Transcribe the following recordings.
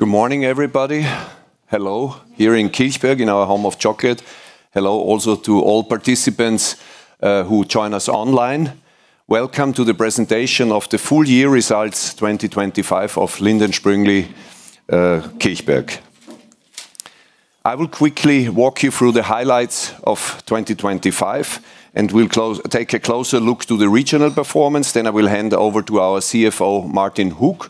Good morning, everybody. Hello. Here in Kilchberg, in our Home of Chocolate. Hello also to all participants who join us online. Welcome to the presentation of the full year results 2025 of Lindt & Sprüngli, Kilchberg. I will quickly walk you through the highlights of 2025, and we'll take a closer look to the regional performance. I will hand over to our CFO, Martin Hug,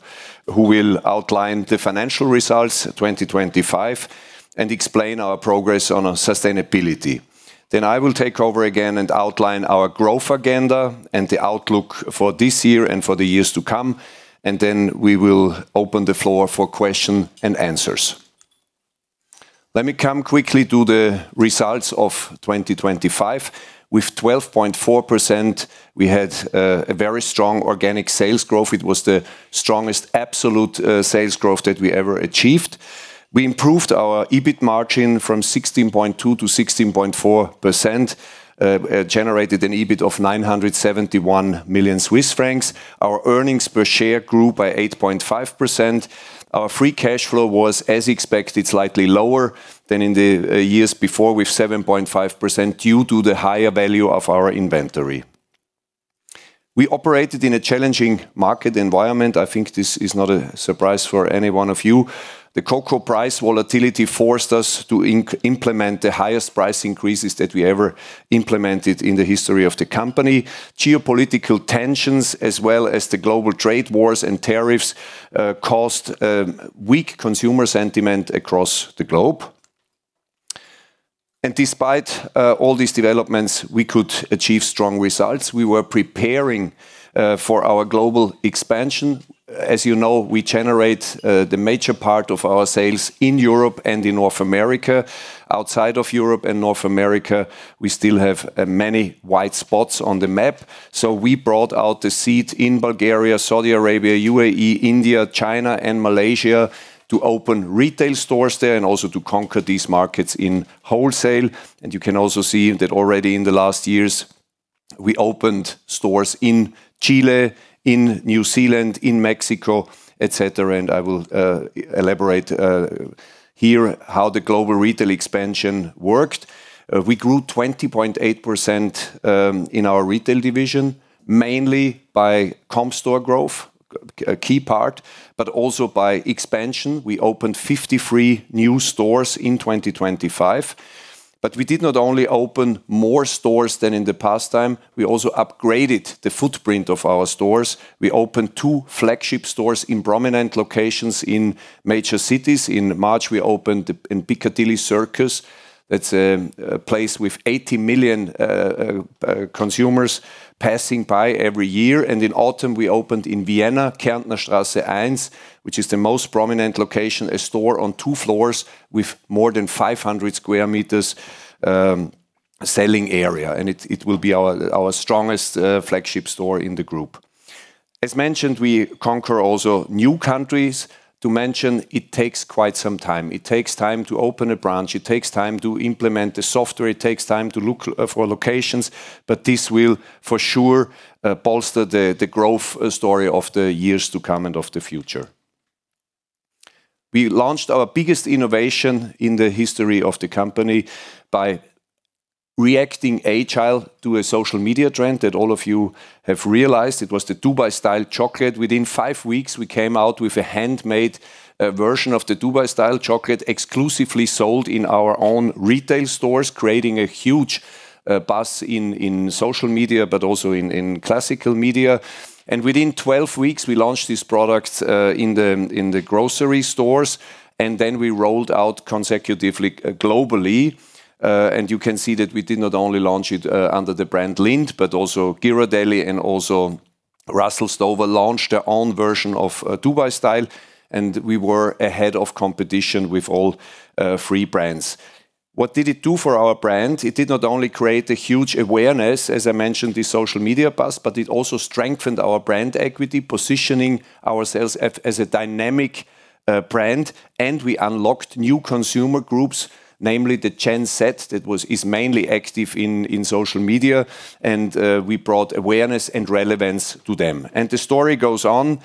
who will outline the financial results 2025 and explain our progress on our sustainability. I will take over again and outline our growth agenda and the outlook for this year and for the years to come, and then we will open the floor for questions and answers. Let me come quickly to the results of 2025. With 12.4%, we had a very strong organic sales growth. It was the strongest absolute sales growth that we ever achieved. We improved our EBIT margin from 16.2%-16.4%. We generated an EBIT of 971 million Swiss francs. Our earnings per share grew by 8.5%. Our free cash flow was, as expected, slightly lower than in the years before with 7.5% due to the higher value of our inventory. We operated in a challenging market environment. I think this is not a surprise for any one of you. The cocoa price volatility forced us to implement the highest price increases that we ever implemented in the history of the company. Geopolitical tensions as well as the global trade wars and tariffs caused weak consumer sentiment across the globe. Despite all these developments, we could achieve strong results. We were preparing for our global expansion. As you know, we generate the major part of our sales in Europe and in North America. Outside of Europe and North America, we still have many white spots on the map. We brought out the teams in Bulgaria, Saudi Arabia, UAE, India, China, and Malaysia to open retail stores there and also to conquer these markets in wholesale. You can also see that already in the last years, we opened stores in Chile, in New Zealand, in Mexico, et cetera, and I will elaborate here how the global retail expansion worked. We grew 20.8% in our retail division, mainly by comp store growth, a key part, but also by expansion. We opened 53 new stores in 2025. We did not only open more stores than in the past time, we also upgraded the footprint of our stores. We opened two flagship stores in prominent locations in major cities. In March, we opened in Piccadilly Circus. That's a place with 80 million consumers passing by every year. In autumn, we opened in Vienna, Kärntner Straße 1, which is the most prominent location, a store on two floors with more than 500 square meters selling area, and it will be our strongest flagship store in the group. As mentioned, we conquer also new countries. To mention, it takes quite some time. It takes time to open a branch. It takes time to implement the software. It takes time to look for locations, but this will, for sure, bolster the growth story of the years to come and of the future. We launched our biggest innovation in the history of the company by reacting agile to a social media trend that all of you have realized. It was the Dubai style chocolate. Within five weeks, we came out with a handmade version of the Dubai style chocolate, exclusively sold in our own retail stores, creating a huge buzz in social media, but also in classical media. Within 12 weeks, we launched these products in the grocery stores, and then we rolled out consecutively globally. You can see that we did not only launch it under the brand Lindt, but also Ghirardelli and also Russell Stover launched their own version of Dubai style, and we were ahead of competition with all three brands. What did it do for our brand? It did not only create a huge awareness, as I mentioned, the social media buzz, but it also strengthened our brand equity, positioning ourselves as a dynamic brand, and we unlocked new consumer groups, namely the Gen Z that is mainly active in social media, and we brought awareness and relevance to them. The story goes on.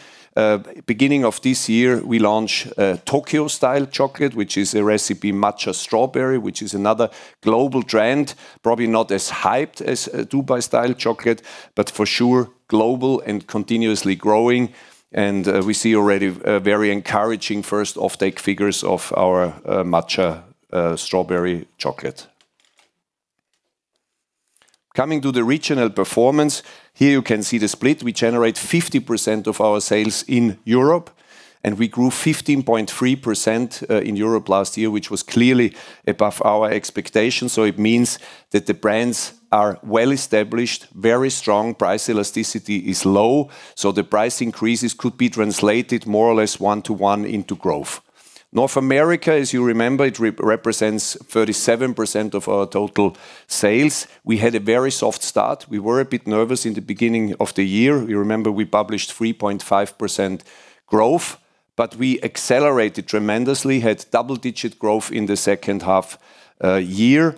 Beginning of this year, we launch Tokyo style chocolate, which is a recipe matcha strawberry, which is another global trend, probably not as hyped as Dubai style chocolate, but for sure, global and continuously growing. We see already very encouraging first offtake figures of our matcha strawberry chocolate. Coming to the regional performance, here you can see the split. We generate 50% of our sales in Europe, and we grew 15.3% in Europe last year, which was clearly above our expectations. It means that the brands are well established, very strong. Price elasticity is low, so the price increases could be translated more or less one-to-one into growth. North America, as you remember, it represents 37% of our total sales. We had a very soft start. We were a bit nervous in the beginning of the year. You remember we published 3.5% growth, but we accelerated tremendously, had double-digit growth in the H2 year.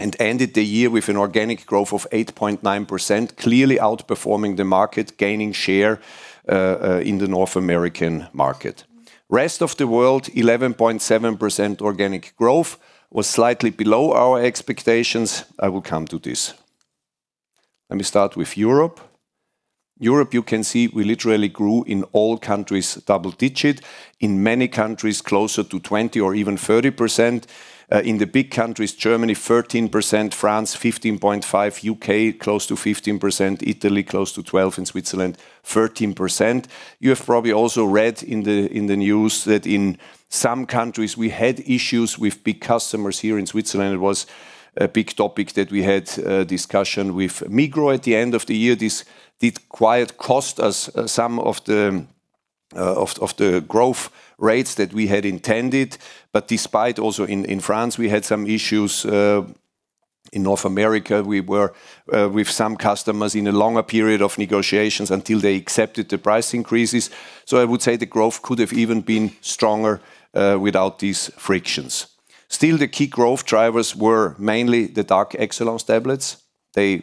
We ended the year with an organic growth of 8.9%, clearly outperforming the market, gaining share in the North American market. Rest of the world, 11.7% organic growth was slightly below our expectations. I will come to this. Let me start with Europe. Europe, you can see we literally grew in all countries double digit. In many countries, closer to 20% or even 30%. In the big countries, Germany 13%, France 15.5%, UK close to 15%, Italy close to 12%, in Switzerland 13%. You have probably also read in the news that in some countries we had issues with big customers. Here in Switzerland, it was a big topic that we had a discussion with Migros at the end of the year. This did quite cost us some of the growth rates that we had intended. Despite also in France, we had some issues in North America, we were with some customers in a longer period of negotiations until they accepted the price increases. I would say the growth could have even been stronger without these frictions. Still, the key growth drivers were mainly the dark Excellence tablets. They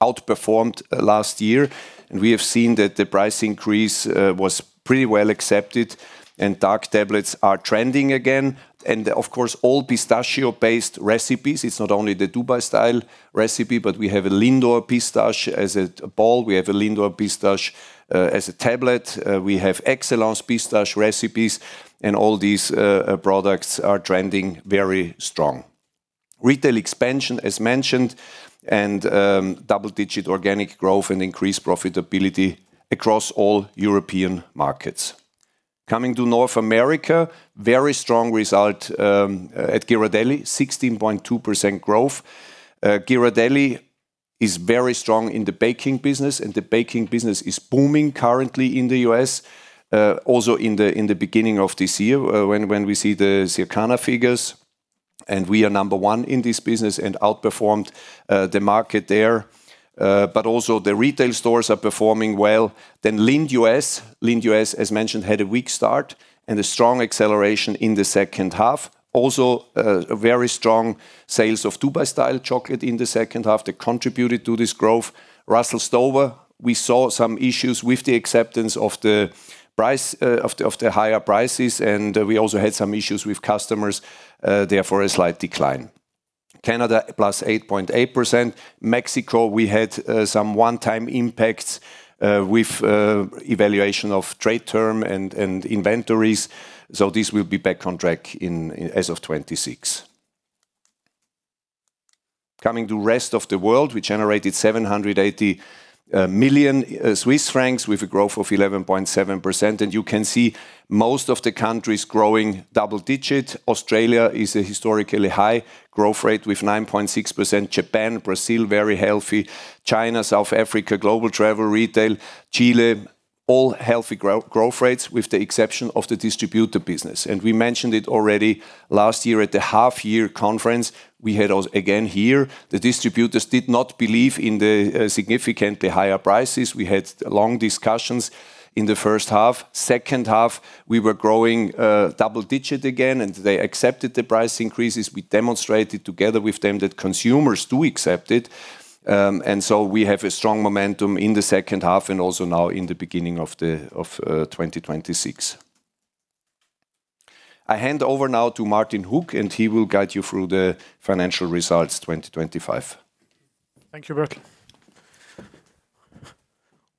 outperformed last year, and we have seen that the price increase was pretty well accepted, and dark tablets are trending again. Of course, all pistachio-based recipes. It's not only the Dubai-style recipe, but we have a Lindor pistachio as a ball. We have a Lindor pistachio as a tablet. We have Excellence Pistachio, and all these products are trending very strong. Retail expansion, as mentioned, and double-digit organic growth and increased profitability across all European markets. Coming to North America, very strong result at Ghirardelli, 16.2% growth. Ghirardelli is very strong in the baking business, and the baking business is booming currently in the U.S.. Also in the beginning of this year when we see the Circana figures, and we are number one in this business and outperformed the market there. Also the retail stores are performing well. Lindt U.S.. Lindt U.S., as mentioned, had a weak start and a strong acceleration in the H2. Also very strong sales of Dubai Style chocolate in the H2 that contributed to this growth. Russell Stover, we saw some issues with the acceptance of the price of the higher prices, and we also had some issues with customers, therefore, a slight decline. Canada, +8.8%. Mexico, we had some one-time impacts with evaluation of trade term and inventories. This will be back on track in, as of 2026. Coming to rest of the world, we generated 780 million Swiss francs with a growth of 11.7%. You can see most of the countries growing double-digit. Australia is a historically high growth rate with 9.6%. Japan, Brazil, very healthy. China, South Africa, global travel retail, Chile, all healthy growth rates, with the exception of the distributor business. We mentioned it already last year at the half-year conference. We had also again here, the distributors did not believe in the significantly higher prices. We had long discussions in the H1. H2, we were growing double-digit again, and they accepted the price increases. We demonstrated together with them that consumers do accept it. We have a strong momentum in the H2 and also now in the beginning of 2026. I hand over now to Martin Hug, and he will guide you through the financial results, 2025. Thank you, Adalbert.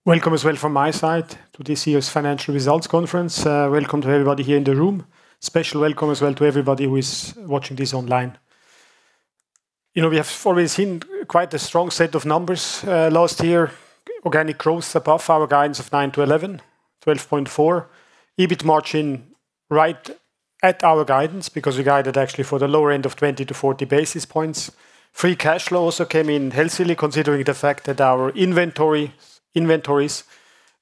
Welcome as well from my side to this year's Financial Results conference. Welcome to everybody here in the room. Special welcome as well to everybody who is watching this online. You know, we have already seen quite a strong set of numbers last year. Organic growth above our guidance of 9%-11%, 12.4%. EBIT margin right at our guidance because we guided actually for the lower end of 20 basis points-40 basis points. Free cash flow also came in healthily considering the fact that our inventories,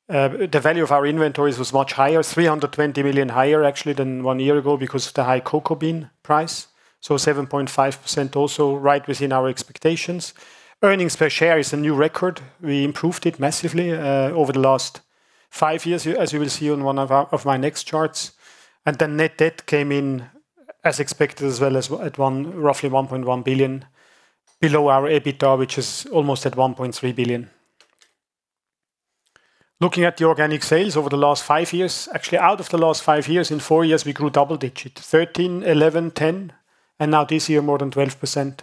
the value of our inventories was much higher, 320 million higher actually than one year ago because of the high cocoa bean price. 7.5% also right within our expectations. Earnings per share is a new record. We improved it massively over the last five years, as you will see on one of my next charts. The net debt came in as expected as well as at roughly 1.1 billion below our EBITDA, which is almost at 1.3 billion. Looking at the organic sales over the last five years. Actually, out of the last five years, in four years, we grew double digits, 13%, 11%, 10%, and now this year more than 12%.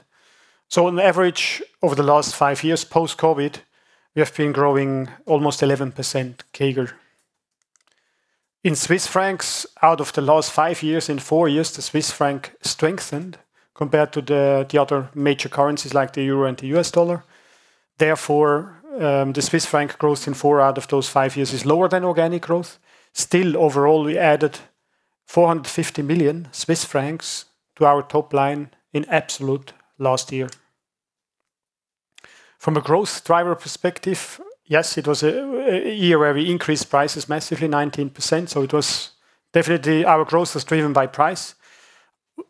On average, over the last five years post-COVID, we have been growing almost 11% CAGR. In Swiss francs, out of the last five years, in four years, the Swiss franc strengthened compared to the other major currencies like the euro and the US dollar. Therefore, the Swiss franc growth in four years out of those five years is lower than organic growth. Still, overall, we added 450 million Swiss francs to our top line in absolute last year. From a growth driver perspective, yes, it was a year where we increased prices massively 19%, so it was definitely our growth was driven by price.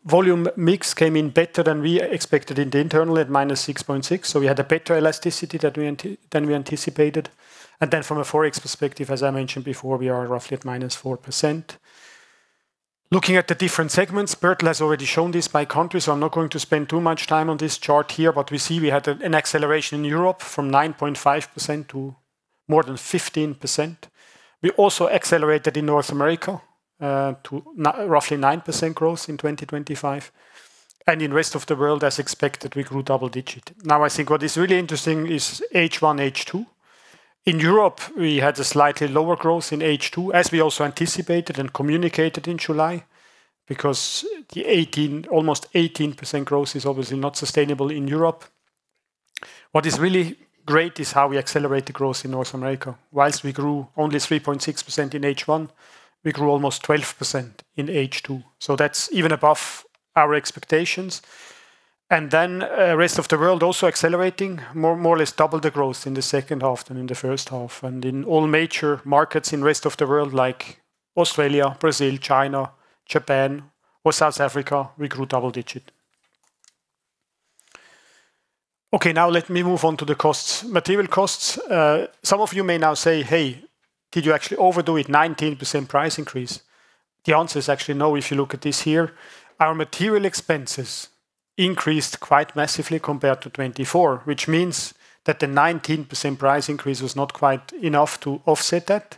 Volume mix came in better than we expected initially at -6.6%, so we had a better elasticity than we anticipated. Then from a Forex perspective, as I mentioned before, we are roughly at -4%. Looking at the different segments, Adalbert has already shown this by country, so I'm not going to spend too much time on this chart here. We see we had an acceleration in Europe from 9.5% to more than 15%. We also accelerated in North America to roughly 9% growth in 2025. In rest of the world, as expected, we grew double-digit. I think what is really interesting is H1, H2. In Europe, we had a slightly lower growth in H2, as we also anticipated and communicated in July, because almost 18% growth is obviously not sustainable in Europe. What is really great is how we accelerate the growth in North America. Whilst we grew only 3.6% in H1, we grew almost 12% in H2. That's even above our expectations. Rest of the world also accelerating more or less double the growth in the H2 than in the H1. In all major markets in rest of the world, like Australia, Brazil, China, Japan or South Africa, we grew double-digit. Okay. Now let me move on to the costs. Material costs. Some of you may now say, "Hey, did you actually overdo it, 19% price increase?" The answer is actually no, if you look at this here. Our material expenses increased quite massively compared to 2024, which means that the 19% price increase was not quite enough to offset that.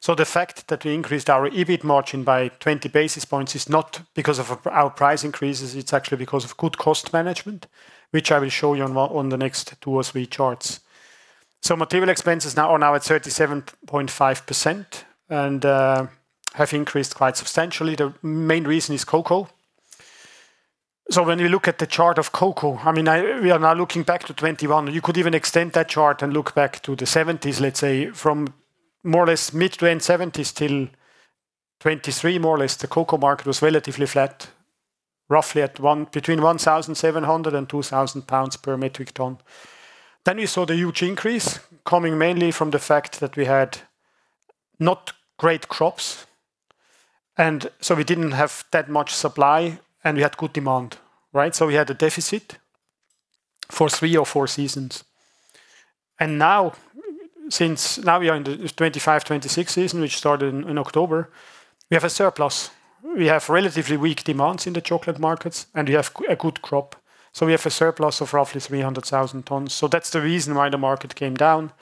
So the fact that we increased our EBIT margin by 20 basis points is not because of our price increases, it's actually because of good cost management, which I will show you on the next two charts or three charts. So material expenses now are at 37.5% and have increased quite substantially. The main reason is cocoa. When you look at the chart of cocoa, I mean, we are now looking back to 2021. You could even extend that chart and look back to the 1970s. Let's say from more or less mid- to end-1970s till 2023, more or less, the cocoa market was relatively flat, roughly between 1,700 and 2,000 pounds per metric ton. Then we saw the huge increase coming mainly from the fact that we had not great crops, and so we didn't have that much supply and we had good demand, right? We had a deficit for three seasons or four seasons. Now, since we are in the 2025-2026 season, which started in October, we have a surplus. We have relatively weak demand in the chocolate markets, and we have a good crop. We have a surplus of roughly 300,000 tons. That's the reason why the market came down.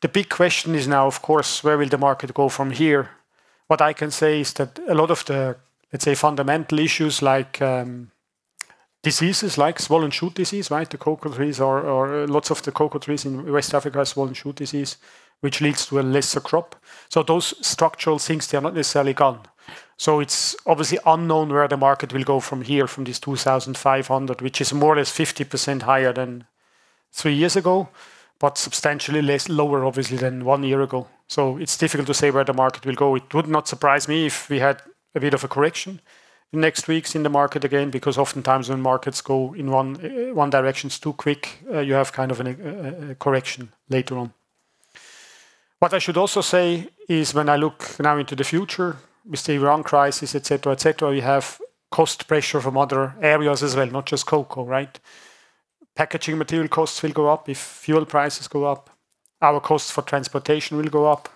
The big question is now, of course, where will the market go from here? What I can say is that a lot of the, let's say, fundamental issues like diseases like swollen shoot disease, right? Lots of the cocoa trees in West Africa has swollen shoot disease, which leads to a lesser crop. Those structural things, they are not necessarily gone. It's obviously unknown where the market will go from here, from this 2,500, which is more or less 50% higher than three years ago, but substantially less lower obviously than one year ago. It's difficult to say where the market will go. It would not surprise me if we had a bit of a correction next week in the market again, because oftentimes when markets go in one direction, it's too quick, you have kind of a correction later on. What I should also say is, when I look now into the future, we see Iran crisis, et cetera, et cetera. We have cost pressure from other areas as well, not just cocoa, right? Packaging material costs will go up. If fuel prices go up, our costs for transportation will go up.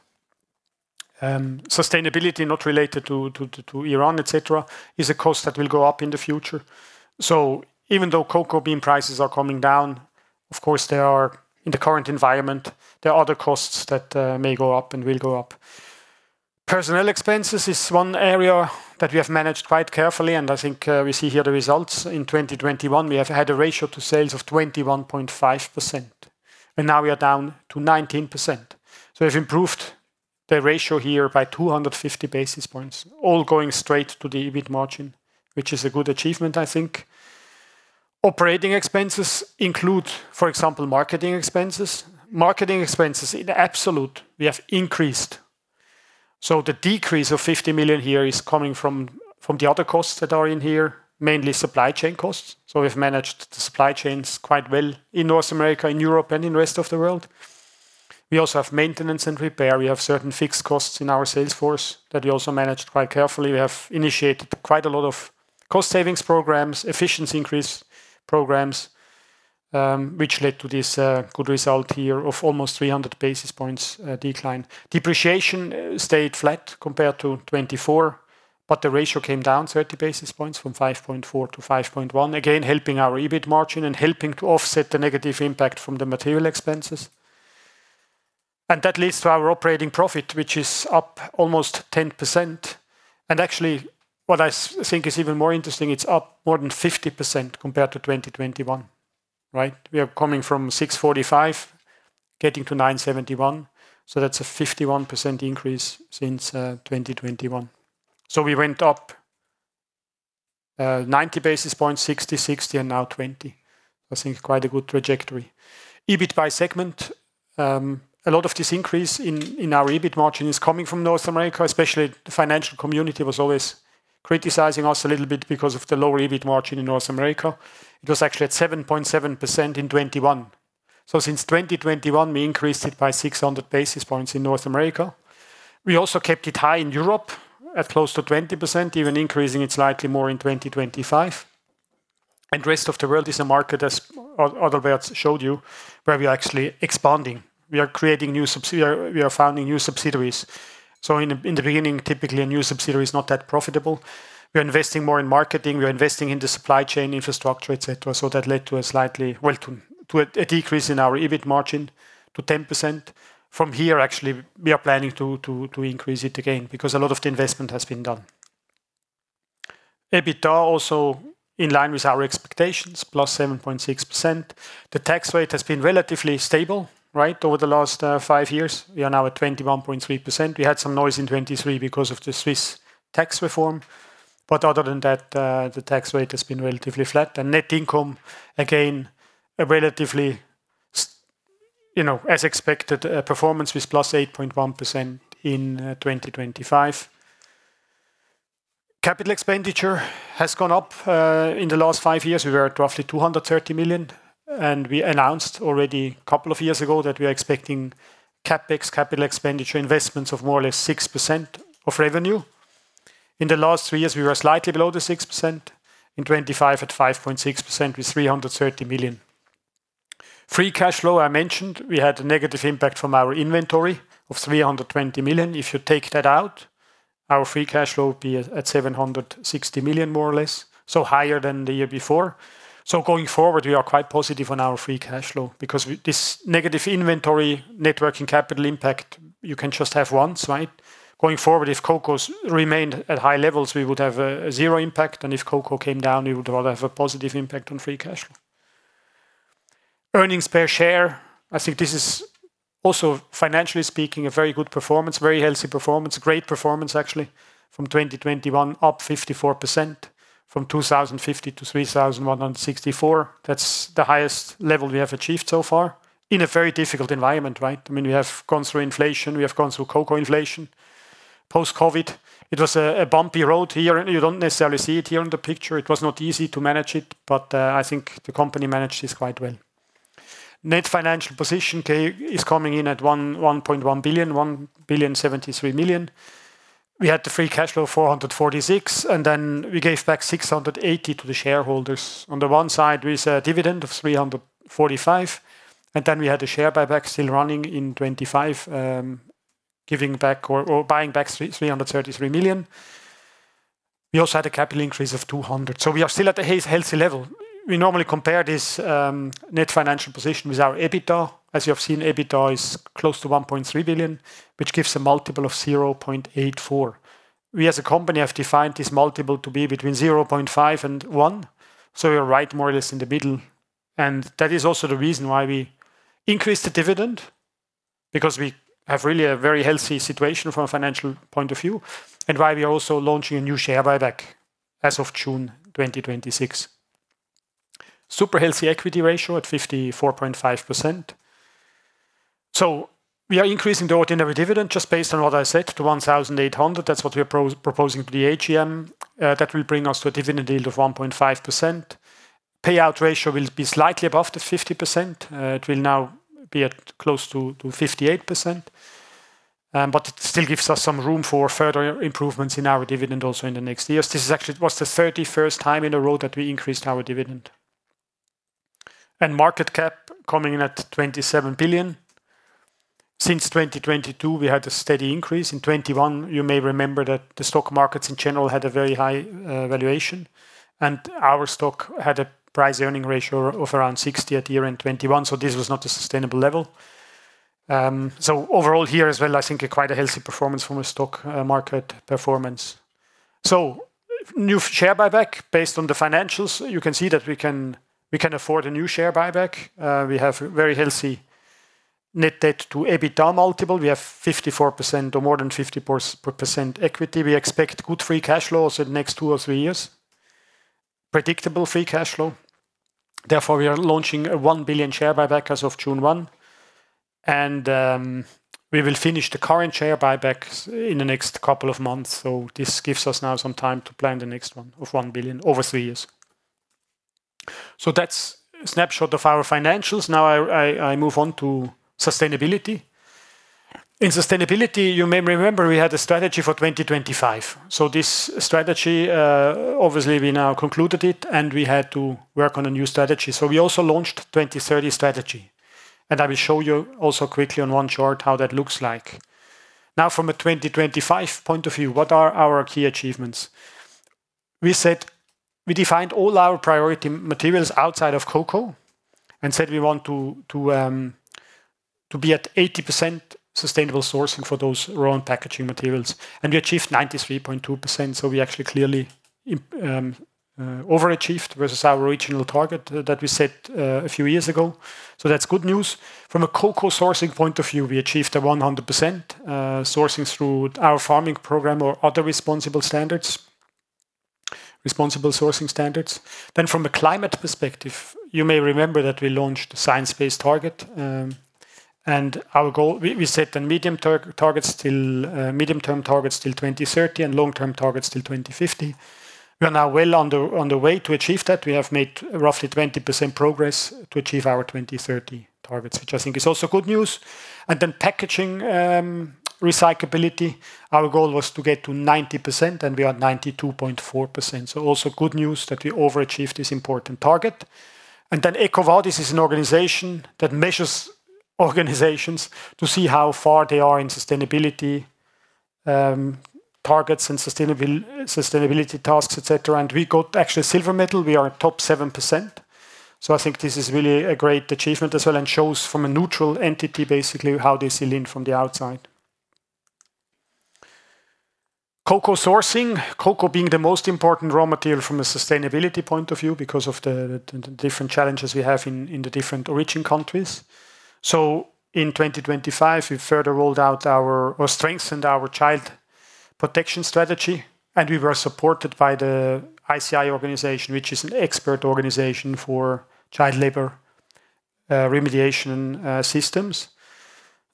Sustainability not related to Iran, et cetera, is a cost that will go up in the future. Even though cocoa bean prices are coming down, of course there are, in the current environment, there are other costs that may go up and will go up. Personnel expenses is one area that we have managed quite carefully, and I think, we see here the results. In 2021, we have had a ratio to sales of 21.5%, and now we are down to 19%. We've improved the ratio here by 250 basis points, all going straight to the EBIT margin, which is a good achievement, I think. Operating expenses include, for example, marketing expenses. Marketing expenses in absolute, we have increased. The decrease of 50 million here is coming from the other costs that are in here, mainly supply chain costs. We've managed the supply chains quite well in North America and Europe and in rest of the world. We also have maintenance and repair. We have certain fixed costs in our sales force that we also managed quite carefully. We have initiated quite a lot of cost savings programs, efficiency increase programs, which led to this good result here of almost 300 basis points decline. Depreciation stayed flat compared to 2024, but the ratio came down 30 basis points from 5.4%-5.1%. Again, helping our EBIT margin and helping to offset the negative impact from the material expenses. That leads to our operating profit, which is up almost 10%. Actually, what I think is even more interesting, it's up more than 50% compared to 2021, right? We are coming from 645, getting to 971. So that's a 51% increase since 2021. So we went up 90 basis points, 60 basis points, and now 20 basis points. I think quite a good trajectory. EBIT by segment. A lot of this increase in our EBIT margin is coming from North America, especially the financial community was always criticizing us a little bit because of the lower EBIT margin in North America. It was actually at 7.7% in 2021. Since 2021, we increased it by 600 basis points in North America. We also kept it high in Europe at close to 20%, even increasing it slightly more in 2025. Rest of the world is a market as Adalbert Lechner showed you, where we are actually expanding. We are founding new subsidiaries. In the beginning, typically, a new subsidiary is not that profitable. We are investing more in marketing, we are investing in the supply chain infrastructure, et cetera. That led to a slightly Well, to a decrease in our EBIT margin to 10%. From here, actually, we are planning to increase it again because a lot of the investment has been done. EBITDA also in line with our expectations, +7.6%. The tax rate has been relatively stable, right? Over the last five years. We are now at 21.3%. We had some noise in 2023 because of the Swiss tax reform. But other than that, the tax rate has been relatively flat. Net income, again, a relatively you know, as expected, a performance with +8.1% in 2025. Capital expenditure has gone up in the last five years. We were at roughly 230 million, and we announced already couple of years ago that we are expecting CapEx, capital expenditure investments of more or less 6% of revenue. In the last three years, we were slightly below the 6%. In 2025 at 5.6% with 330 million. Free cash flow, I mentioned, we had a negative impact from our inventory of 320 million. If you take that out, our free cash flow would be at 760 million, more or less, so higher than the year before. Going forward, we are quite positive on our free cash flow because this negative inventory net working capital impact, you can just have once, right? Going forward, if cocoa remained at high levels, we would have zero impact, and if cocoa came down, it would rather have a positive impact on free cash flow. Earnings per share. I think this is also, financially speaking, a very good performance, very healthy performance. Great performance actually from 2021, up 54% from 2,050-3,164. That's the highest level we have achieved so far in a very difficult environment, right? I mean, we have gone through inflation, we have gone through cocoa inflation, post-COVID. It was a bumpy road here. You don't necessarily see it here on the picture. It was not easy to manage it, but I think the company managed this quite well. Net financial position is coming in at 1.1 billion, 1,073 million. We had the free cash flow of 446 million, and then we gave back 680 million to the shareholders. On the one side, with a dividend of 345 million, and then we had the share buyback still running in 2025, giving back or buying back 333 million. We also had a capital increase of 200 million. We are still at a healthy level. We normally compare this net financial position with our EBITDA. As you have seen, EBITDA is close to 1.3 billion, which gives a 0.84x multiple. We as a company have defined this multiple to be between 0.5x and 1x, so we are right more or less in the middle. That is also the reason why we increased the dividend, because we have really a very healthy situation from a financial point of view and why we are also launching a new share buyback as of June 2026. Super healthy equity ratio at 54.5%. We are increasing the ordinary dividend just based on what I said to 1,800. That's what we are proposing to the AGM. That will bring us to a dividend yield of 1.5%. Payout ratio will be slightly above the 50%. It will now be close to 58%. But it still gives us some room for further improvements in our dividend also in the next years. This is actually, it was the thirty first time in a row that we increased our dividend. Market cap coming in at 27 billion. Since 2022, we had a steady increase. In 2021, you may remember that the stock markets in general had a very high valuation, and our stock had a price-earnings ratio of around 60 at year-end 2021, so this was not a sustainable level. Overall here as well, I think quite a healthy performance from a stock market performance. New share buyback based on the financials. You can see that we can afford a new share buyback. We have very healthy net debt to EBITDA multiple. We have 54% or more than 50% equity. We expect good free cash flow also the next two or three years. Predictable free cash flow. Therefore, we are launching a 1 billion share buyback as of June 1. We will finish the current share buyback in the next couple of months. This gives us now some time to plan the next one of 1 billion over three years. That's a snapshot of our financials. Now I move on to sustainability. In sustainability, you may remember we had a strategy for 2025. This strategy, obviously we now concluded it, and we had to work on a new strategy. We also launched 2030 strategy. I will show you also quickly on one chart how that looks like. Now from a 2025 point of view, what are our key achievements? We said we defined all our priority materials outside of cocoa and said we want to be at 80% sustainable sourcing for those raw packaging materials, and we achieved 93.2%, so we actually clearly overachieved versus our original target that we set a few years ago. That's good news. From a cocoa sourcing point of view, we achieved 100% sourcing through our farming program or other responsible sourcing standards. From a climate perspective, you may remember that we launched a science-based target. Our goal, we set the medium-term targets till 2030 and long-term targets till 2050. We are now well on the way to achieve that. We have made roughly 20% progress to achieve our 2030 targets, which I think is also good news. Packaging recyclability, our goal was to get to 90%, and we are at 92.4%. Also good news that we overachieved this important target. EcoVadis is an organization that measures organizations to see how far they are in sustainability targets and sustainability tasks, et cetera. We got actually a silver medal. We are top 7%. I think this is really a great achievement as well and shows from a neutral entity basically how they see Lindt from the outside. Cocoa sourcing. Cocoa being the most important raw material from a sustainability point of view because of the different challenges we have in the different origin countries. In 2025, we further strengthened our child protection strategy, and we were supported by the ICI organization, which is an expert organization for child labor remediation systems.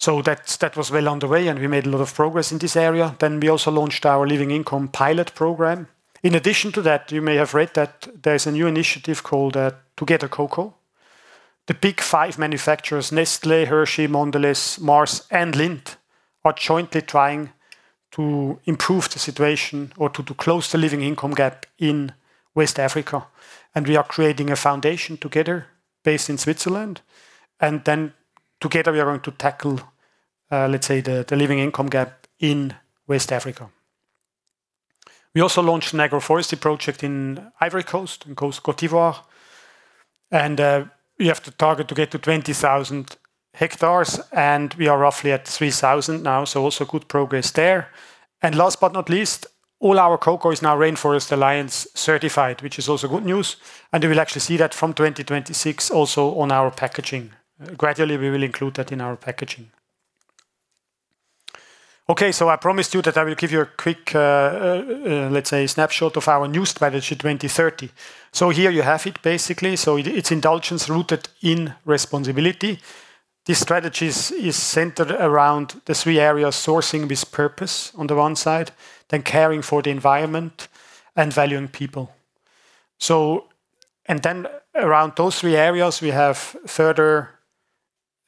That was well on the way, and we made a lot of progress in this area. We also launched our Living Income pilot program. In addition to that, you may have read that there's a new initiative called TogetherCocoa. The Big Five manufacturers, Nestlé, Hershey, Mondelez, Mars, and Lindt, are jointly trying to improve the situation or to close the living income gap in West Africa. We are creating a foundation together based in Switzerland. Together we are going to tackle, let's say, the living income gap in West Africa. We also launched an agroforestry project in Ivory Coast, in Côte d'Ivoire. We have to target to get to 20,000 hectares, and we are roughly at 3,000 hectaresnow. Also good progress there. Last but not least, all our cocoa is now Rainforest Alliance certified, which is also good news. You will actually see that from 2026 also on our packaging. Gradually we will include that in our packaging. Okay. I promised you that I will give you a quick, let's say snapshot of our new strategy 2030. Here you have it basically. It, it's indulgence rooted in responsibility. This strategy is centered around the three areas, sourcing with purpose on the one side, then caring for the environment and valuing people. Then around those three areas we have further,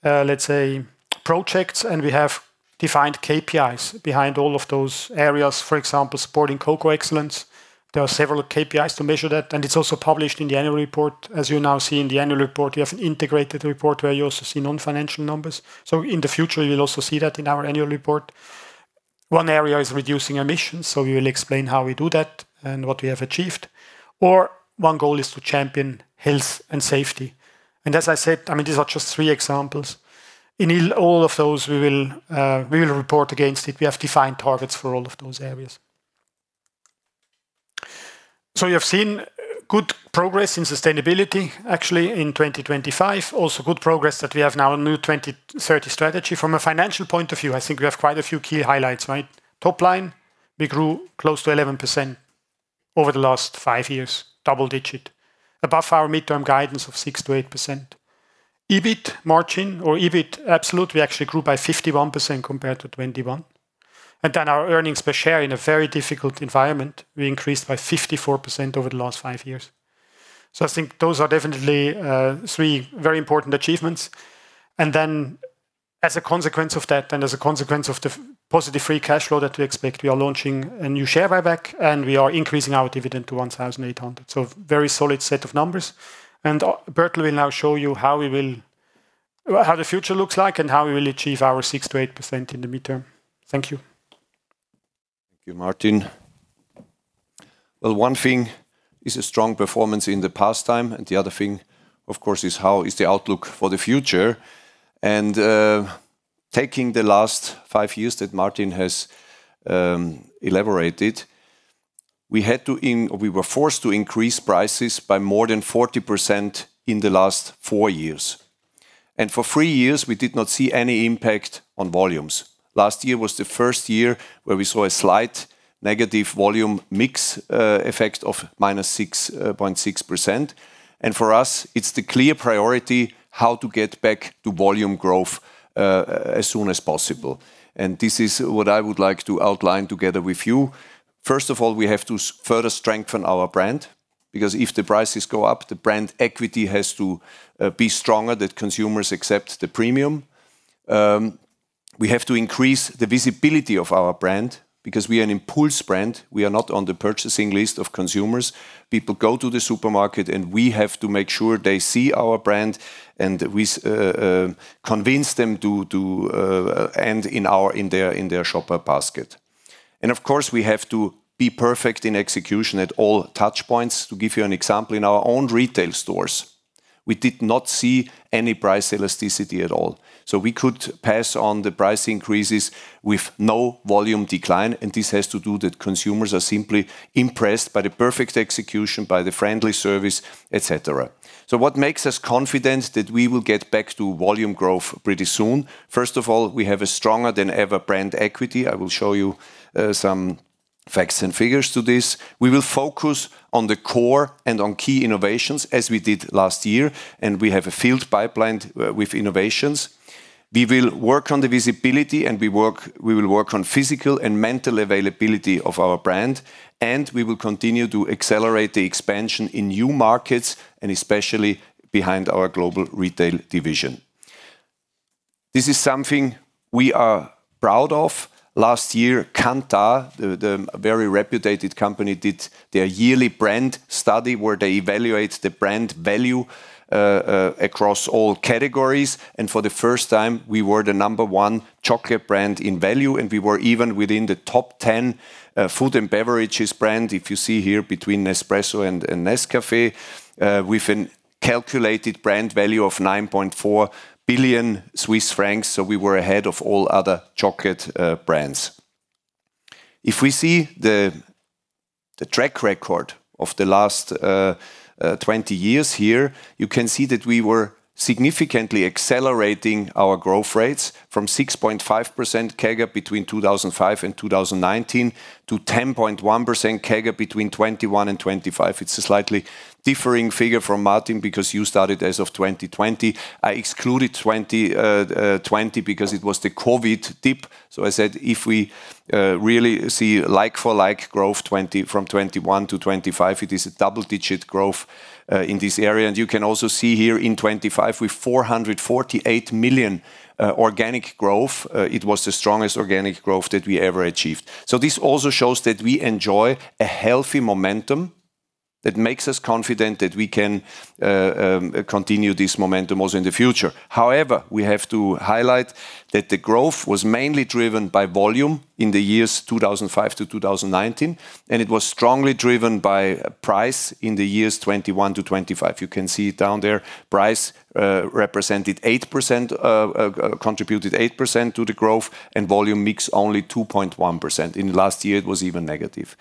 let's say, projects, and we have defined KPIs behind all of those areas. For example, supporting cocoa excellence. There are several KPIs to measure that, and it's also published in the annual report. As you now see in the annual report, we have an integrated report where you also see non-financial numbers. In the future you'll also see that in our annual report. One area is reducing emissions, so we will explain how we do that and what we have achieved. One goal is to champion health and safety. As I said, I mean, these are just three examples. In all of those we will report against it. We have defined targets for all of those areas. You have seen good progress in sustainability actually in 2025. Also good progress that we have now a new 2030 strategy. From a financial point of view, I think we have quite a few key highlights, right? Top line, we grew close to 11% over the last five years, double-digit, above our mid-term guidance of 6%-8%. EBIT margin or EBIT absolute, we actually grew by 51% compared to 2021. Our earnings per share in a very difficult environment, we increased by 54% over the last five years. I think those are definitely three very important achievements. As a consequence of that and as a consequence of the positive free cash flow that we expect, we are launching a new share buyback, and we are increasing our dividend to 1,800. Very solid set of numbers. Adalbert will now show you how the future looks like and how we will achieve our 6%-8% in the mid-term. Thank you. Thank you, Martin. Well, one thing is a strong performance in the past time, and the other thing, of course, is how is the outlook for the future. Taking the last five years that Martin has elaborated, we were forced to increase prices by more than 40% in the last four years. For three years we did not see any impact on volumes. Last year was the first year where we saw a slight negative volume mix effect of minus 6.6%. For us it's the clear priority how to get back to volume growth as soon as possible. This is what I would like to outline together with you. First of all, we have to further strengthen our brand, because if the prices go up, the brand equity has to be stronger so that consumers accept the premium. We have to increase the visibility of our brand because we are an impulse brand. We are not on the purchasing list of consumers. People go to the supermarket, and we have to make sure they see our brand, and we convince them to end in their shopper basket. Of course, we have to be perfect in execution at all touchpoints. To give you an example, in our own retail stores, we did not see any price elasticity at all. We could pass on the price increases with no volume decline, and this has to do that consumers are simply impressed by the perfect execution, by the friendly service, et cetera. What makes us confident that we will get back to volume growth pretty soon? First of all, we have a stronger than ever brand equity. I will show you some facts and figures to this. We will focus on the core and on key innovations as we did last year, and we have a filled pipeline with innovations. We will work on the visibility, and we will work on physical and mental availability of our brand, and we will continue to accelerate the expansion in new markets and especially behind our global retail division. This is something we are proud of. Last year, Kantar, the very reputable company, did their yearly brand study where they evaluate the brand value across all categories. For the first time, we were the number one chocolate brand in value, and we were even within the top 10 food and beverages brand, if you see here between Nespresso and Nescafé, with a calculated brand value of 9.4 billion Swiss francs. We were ahead of all other chocolate brands. If we see the track record of the last 20 years here, you can see that we were significantly accelerating our growth rates from 6.5% CAGR between 2005 and 2019 to 10.1% CAGR between 2021 and 2025. It's a slightly differing figure from Martin because you started as of 2020. I excluded 2020 because it was the COVID dip. I said, if we really see like-for-like growth from 2021-2025, it is a double-digit growth in this area. You can also see here in 2025, with 448 million organic growth, it was the strongest organic growth that we ever achieved. This also shows that we enjoy a healthy momentum that makes us confident that we can continue this momentum also in the future. However, we have to highlight that the growth was mainly driven by volume in the years 2005-2019, and it was strongly driven by price in the years 2021-2025. You can see it down there. Price contributed 8% to the growth, and volume mix only 2.1%. In last year, it was even negative.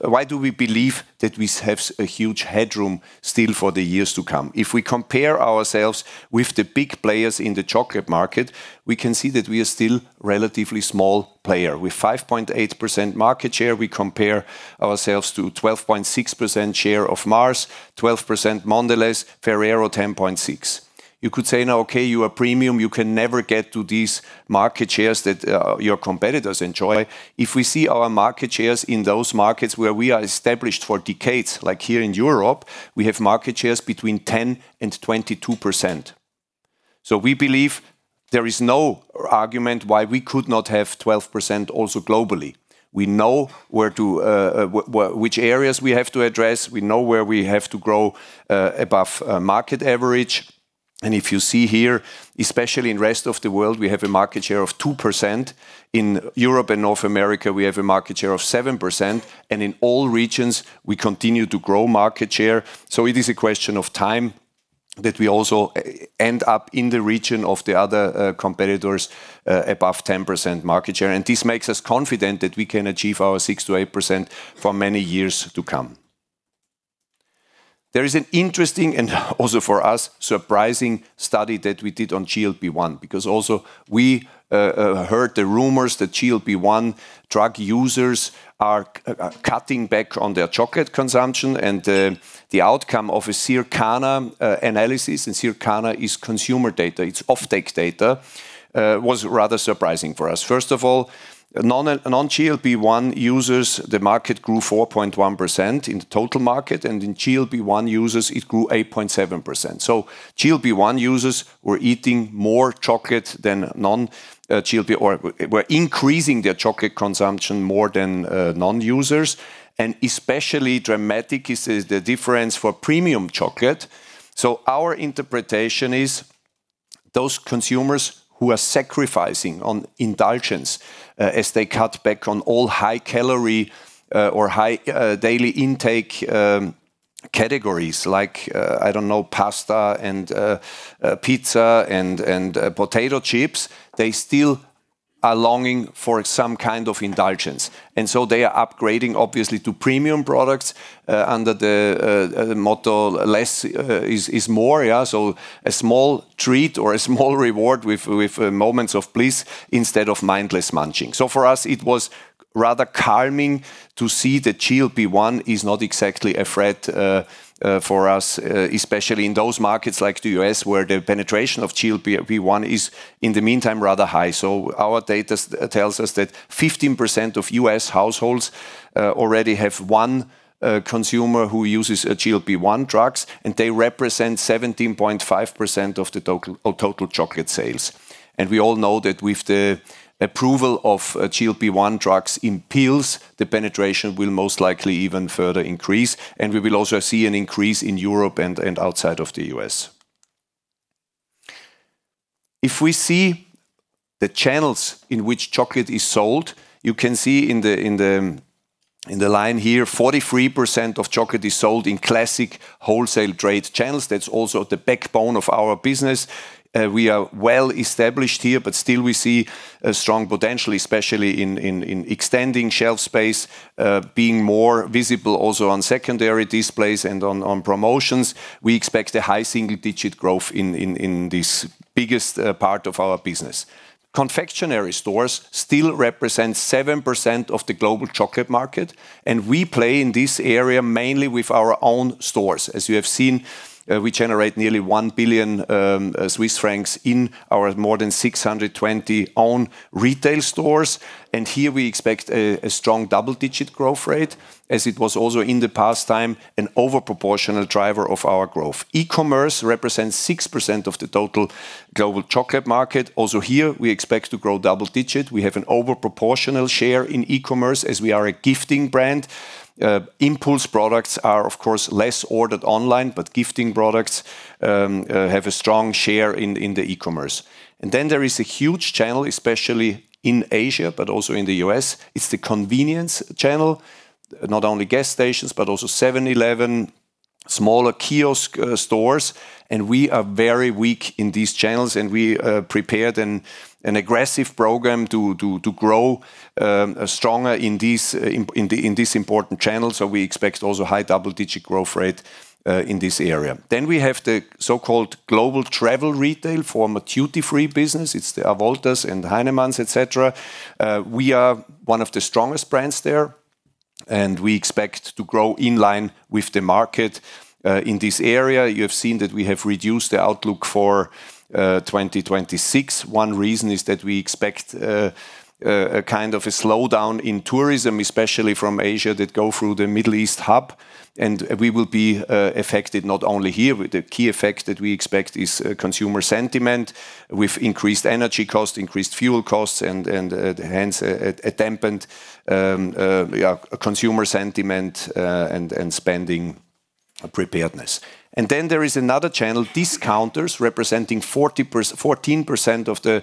Why do we believe that we have a huge headroom still for the years to come? If we compare ourselves with the big players in the chocolate market, we can see that we are still relatively small player. With 5.8% market share, we compare ourselves to 12.6% share of Mars, 12% Mondelez, Ferrero 10.6%. You could say now, "Okay, you are premium. You can never get to these market shares that your competitors enjoy." If we see our market shares in those markets where we are established for decades, like here in Europe, we have market shares between 10%-22%. We believe there is no argument why we could not have 12% also globally. We know which areas we have to address. We know where we have to grow above market average. If you see here, especially in rest of the world, we have a market share of 2%. In Europe and North America, we have a market share of 7%, and in all regions, we continue to grow market share. It is a question of time that we also end up in the region of the other competitors above 10% market share. This makes us confident that we can achieve our 6%-8% for many years to come. There is an interesting and also for us surprising study that we did on GLP-1, because also we heard the rumors that GLP-1 drug users are cutting back on their chocolate consumption, and the outcome of a Circana analysis, and Circana is consumer data, it's offtake data, was rather surprising for us. First of all, non-GLP-1 users, the market grew 4.1% in the total market, and in GLP-1 users, it grew 8.7%. GLP-1 users were eating more chocolate than non-GLP-1 were increasing their chocolate consumption more than non-users. Especially dramatic is the difference for premium chocolate. Our interpretation is those consumers who are sacrificing on indulgence as they cut back on all high-calorie or high daily intake categories like I don't know, pasta and pizza and potato chips, they still are longing for some kind of indulgence. They are upgrading obviously to premium products under the motto less is more. A small treat, a small reward with moment of please instead of mindless munching For us, it was rather calming to see that GLP-1 is not exactly a threat for us especially in those markets like the U.S., where the penetration of GLP-1 is in the meantime rather high. Our data tells us that 15% of U.S. households already have one consumer who uses GLP-1 drugs, and they represent 17.5% of the total chocolate sales. We all know that with the approval of GLP-1 drugs in pills, the penetration will most likely even further increase, and we will also see an increase in Europe and outside of the U.S. If we see the channels in which chocolate is sold, you can see in the line here, 43% of chocolate is sold in classic wholesale trade channels. That's also the backbone of our business. We are well established here, but still we see a strong potential, especially in extending shelf space, being more visible also on secondary displays and on promotions. We expect a high single-digit growth in this biggest part of our business. Confectionery stores still represent 7% of the global chocolate market, and we play in this area mainly with our own stores. As you have seen, we generate nearly 1 billion Swiss francs in our more than 620 own retail stores. Here we expect a strong double-digit growth rate as it was also in the past time an overproportional driver of our growth. E-commerce represents 6% of the total global chocolate market. Also here, we expect to grow double digit. We have an overproportional share in e-commerce as we are a gifting brand. Impulse products are of course less ordered online, but gifting products have a strong share in the e-commerce. There is a huge channel, especially in Asia, but also in the US. It's the convenience channel, not only gas stations, but also 7-Eleven, smaller kiosk stores, and we are very weak in these channels, and we prepared an aggressive program to grow stronger in this important channel. We expect also high double-digit growth rate in this area. We have the so-called global travel retail for duty-free business. It's the Wolters and Heinemann, etc. We are one of the strongest brands there, and we expect to grow in line with the market. In this area, you have seen that we have reduced the outlook for 2026. One reason is that we expect a kind of a slowdown in tourism, especially from Asia, that go through the Middle East hub. We will be affected not only here. The key effect that we expect is consumer sentiment with increased energy costs, increased fuel costs and hence a dampened consumer sentiment and spending preparedness. Then there is another channel, discounters, representing 14% of the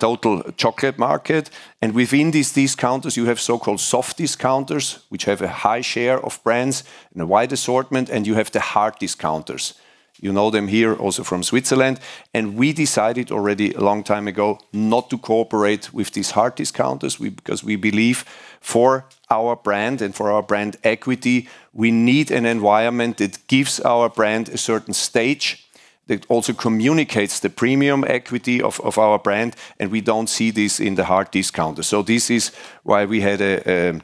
total chocolate market. Within these discounters, you have so-called soft discounters, which have a high share of brands and a wide assortment, and you have the hard discounters. You know them here also from Switzerland. We decided already a long time ago not to cooperate with these hard discounters. Because we believe for our brand and for our brand equity, we need an environment that gives our brand a certain stage, that also communicates the premium equity of our brand, and we don't see this in the hard discounters. This is why we had a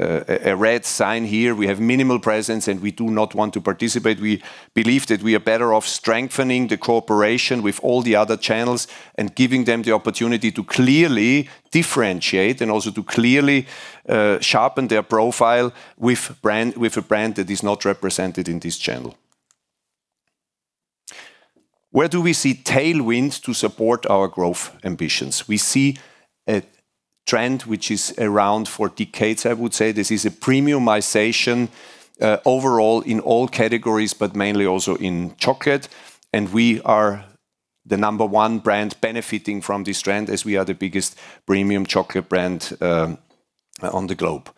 red sign here. We have minimal presence, and we do not want to participate. We believe that we are better off strengthening the cooperation with all the other channels and giving them the opportunity to clearly differentiate and also to clearly sharpen their profile with a brand that is not represented in this channel. Where do we see tailwinds to support our growth ambitions? We see a trend which is around for decades, I would say. This is a premiumization overall in all categories, but mainly also in chocolate. We are the number one brand benefiting from this trend, as we are the biggest premium chocolate brand on the globe.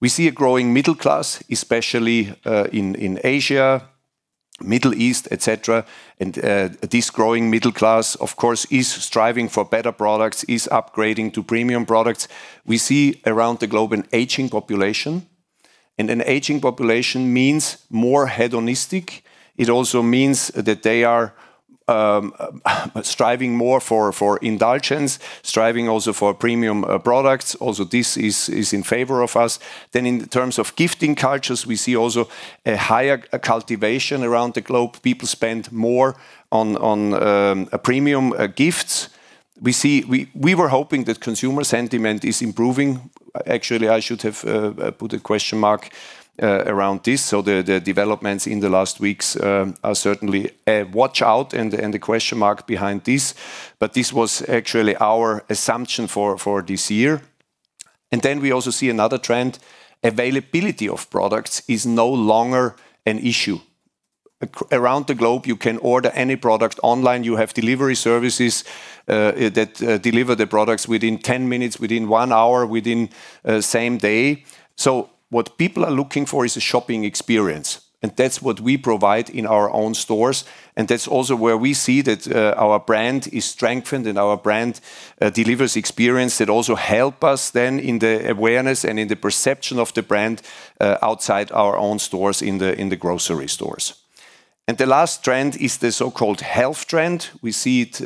We see a growing middle class, especially in Asia, Middle East, et cetera. This growing middle class, of course, is striving for better products, is upgrading to premium products. We see around the globe an aging population, and an aging population means more hedonistic. It also means that they are striving more for indulgence, striving also for premium products. This is in favor of us. In terms of gifting cultures, we see also a higher cultivation around the globe. People spend more on premium gifts. We were hoping that consumer sentiment is improving. Actually, I should have put a question mark around this. The developments in the last weeks are certainly a watch-out and a question mark behind this. This was actually our assumption for this year. We also see another trend. Availability of products is no longer an issue. Around the globe, you can order any product online. You have delivery services that deliver the products within 10 minutes, within one hour, within same day. What people are looking for is a shopping experience, and that's what we provide in our own stores, and that's also where we see that our brand is strengthened and our brand delivers experience that also help us then in the awareness and in the perception of the brand outside our own stores in the grocery stores. The last trend is the so-called health trend. We see it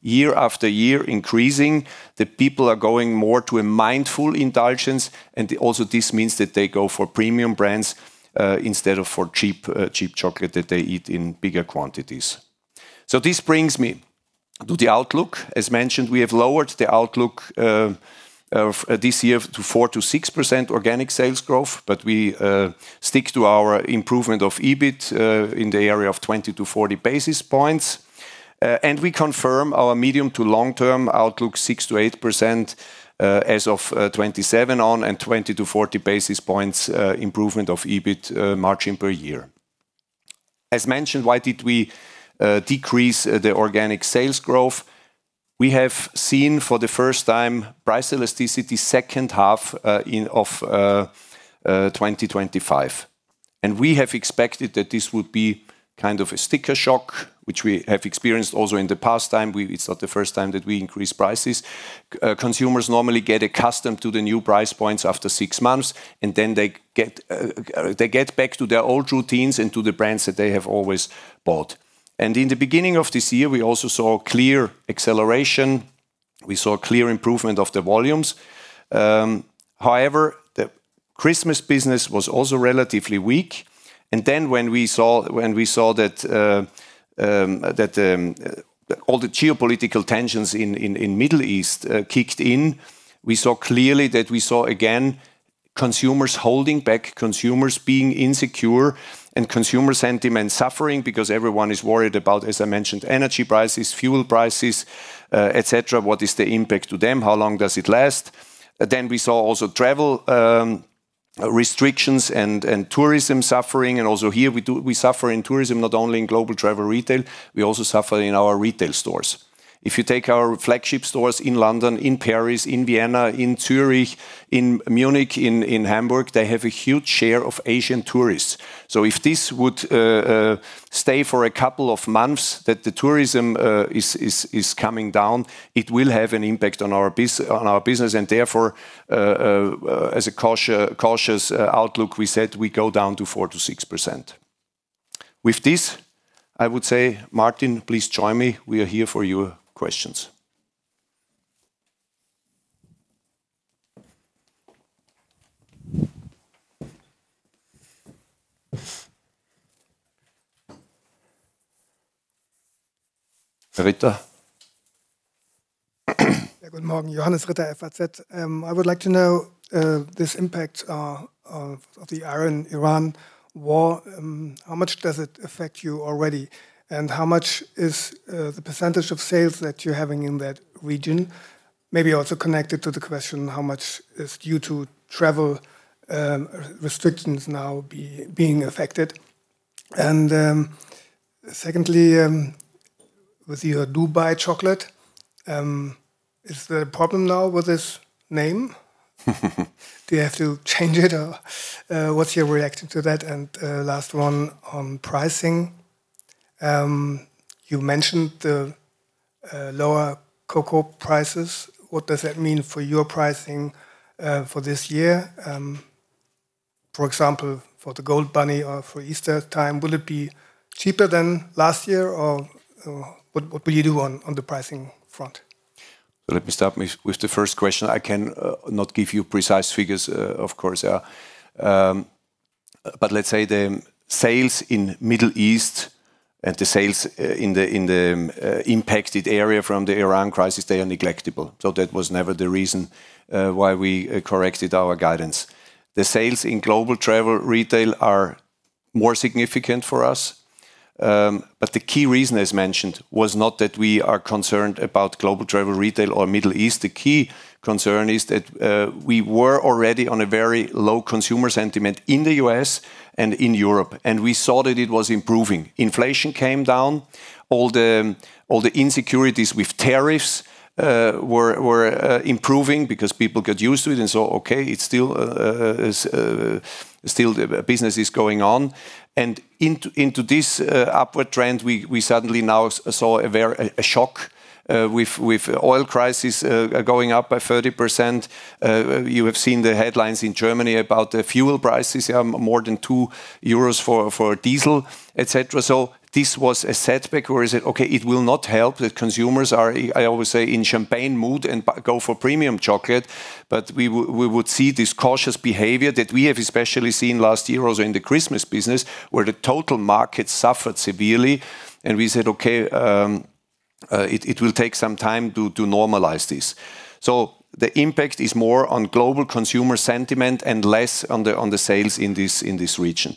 year after year increasing, that people are going more to a mindful indulgence, and also this means that they go for premium brands instead of for cheap chocolate that they eat in bigger quantities. This brings me to the outlook. As mentioned, we have lowered the outlook this year to 4%-6% organic sales growth, but we stick to our improvement of EBIT in the area of 20 basis points-40 basis points. We confirm our medium- to long-term outlook, 6%-8% as of 2027 onwards and 20 basis points-40 basis points improvement of EBIT margin per year. As mentioned, why did we decrease the organic sales growth? We have seen for the first time price elasticity H2 in 2025. We have expected that this would be kind of a sticker shock, which we have experienced also in the past time. It's not the first time that we increase prices. Consumers normally get accustomed to the new price points after six months, and then they get back to their old routines and to the brands that they have always bought. In the beginning of this year, we also saw clear acceleration. We saw clear improvement of the volumes. However, the Christmas business was also relatively weak. Then when we saw that all the geopolitical tensions in the Middle East kicked in, we saw clearly that we saw again consumers holding back, consumers being insecure and consumer sentiment suffering because everyone is worried about, as I mentioned, energy prices, fuel prices, et cetera. What is the impact to them? How long does it last? We saw also travel restrictions and tourism suffering. We also suffer in tourism, not only in global travel retail, we also suffer in our retail stores. If you take our flagship stores in London, in Paris, in Vienna, in Zurich, in Munich, in Hamburg, they have a huge share of Asian tourists. If this would stay for a couple of months that the tourism is coming down, it will have an impact on our business and therefore, as a cautious outlook, we said we go down to 4%-6%. With this, I would say, Martin, please join me. We are here for your questions. Ja, guten Morgen. Johannes Ritter, FAZ. I would like to know this impact of the Iran war, how much does it affect you already? How much is the percentage of sales that you're having in that region? Maybe also connected to the question, how much is due to travel restrictions now being affected? Secondly, with your Dubai chocolate, is there a problem now with this name? Do you have to change it or, what's your reaction to that? Last one on pricing. You mentioned the lower cocoa prices. What does that mean for your pricing for this year? For example, for the Gold Bunny or for Easter time, will it be cheaper than last year? Or, what will you do on the pricing front? Let me start with the first question. I can not give you precise figures, of course, but let's say the sales in Middle East and the sales in the impacted area from the Iran crisis, they are negligible. That was never the reason why we corrected our guidance. The sales in global travel retail are more significant for us. The key reason as mentioned was not that we are concerned about global travel retail or Middle East. The key concern is that we were already on a very low consumer sentiment in the U.S. and in Europe, and we saw that it was improving. Inflation came down. All the insecurities with tariffs were improving because people got used to it and saw, okay, it's still the business is going on. Into this upward trend, we suddenly now saw a shock with oil prices going up by 30%. You have seen the headlines in Germany about the fuel prices, more than 2 euros for diesel, etc. This was a setback or is it okay? It will not help. The consumers are, I always say, in champagne mood and go for premium chocolate. We would see this cautious behavior that we have especially seen last year also in the Christmas business, where the total market suffered severely. We said, "Okay, it will take some time to normalize this." The impact is more on global consumer sentiment and less on the sales in this region.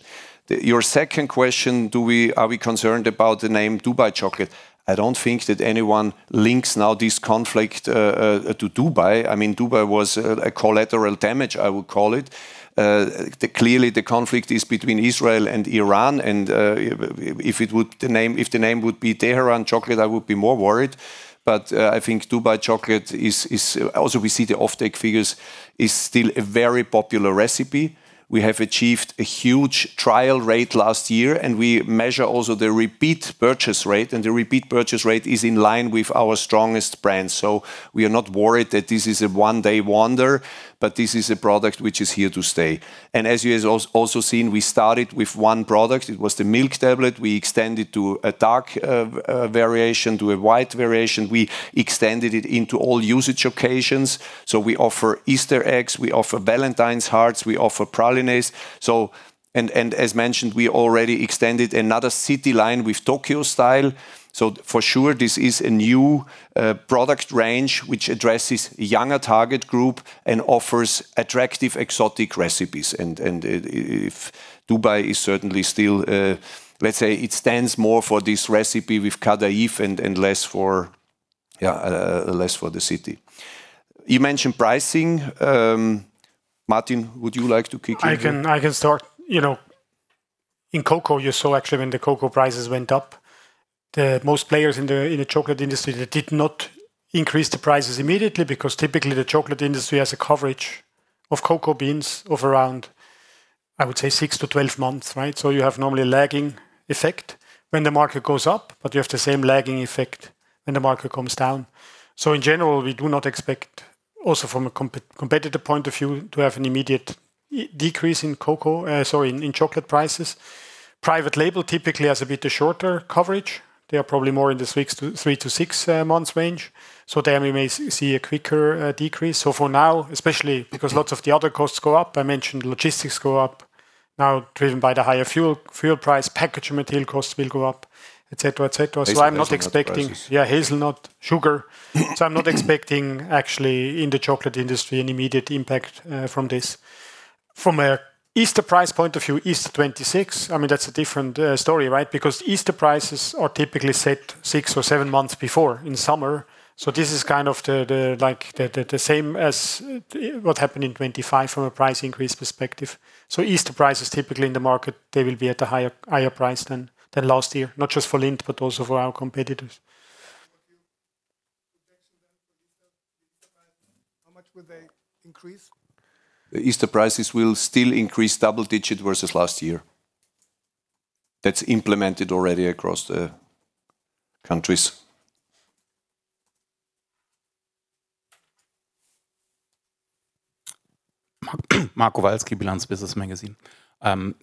Your second question, are we concerned about the name Dubai Chocolate? I don't think that anyone links now this conflict to Dubai. I mean, Dubai was a collateral damage, I would call it. Clearly, the conflict is between Israel and Iran. If the name would be Tehran Chocolate, I would be more worried. But I think Dubai Chocolate is. Also, we see the offtake figures, is still a very popular recipe. We have achieved a huge trial rate last year, and we measure also the repeat purchase rate, and the repeat purchase rate is in line with our strongest brands. We are not worried that this is a one-day wonder, but this is a product which is here to stay. As you have also seen, we started with one product. It was the milk tablet. We extended to a dark variation, to a white variation. We extended it into all usage occasions. We offer Easter eggs, we offer Valentine's hearts, we offer pralinés. And as mentioned, we already extended another city line with Tokyo style. For sure, this is a new product range which addresses younger target group and offers attractive exotic recipes. If Dubai is certainly still, let's say it stands more for this recipe with kadayif and less for the city. You mentioned pricing. Martin, would you like to kick in here? I can start. You know, in cocoa, you saw actually when the cocoa prices went up, the most players in the chocolate industry that did not increase the prices immediately because typically the chocolate industry has a coverage of cocoa beans of around, I would say, six months-12 months, right? You have normally a lagging effect when the market goes up, but you have the same lagging effect when the market comes down. In general, we do not expect also from a competitor point of view to have an immediate decrease in cocoa, in chocolate prices. Private label typically has a bit shorter coverage. They are probably more in three weeks to three months-six months range. There we may see a quicker decrease. For now, especially because lots of the other costs go up, I mentioned logistics go up now driven by the higher fuel price, packaging material costs will go up, et cetera, et cetera. Hazelnuts prices. I'm not expecting actually in the chocolate industry an immediate impact from this. From an Easter price point of view, Easter 2026, I mean, that's a different story, right? Because Easter prices are typically set six months or seven months before in summer. This is kind of like the same as what happened in 2025 from a price increase perspective. Easter prices typically in the market, they will be at a higher price than last year, not just for Lindt, but also for our competitors. How much will they increase? The Easter prices will still increase double-digit versus last year. That's implemented already across the countries. Marc Kowalsky, Bilanz.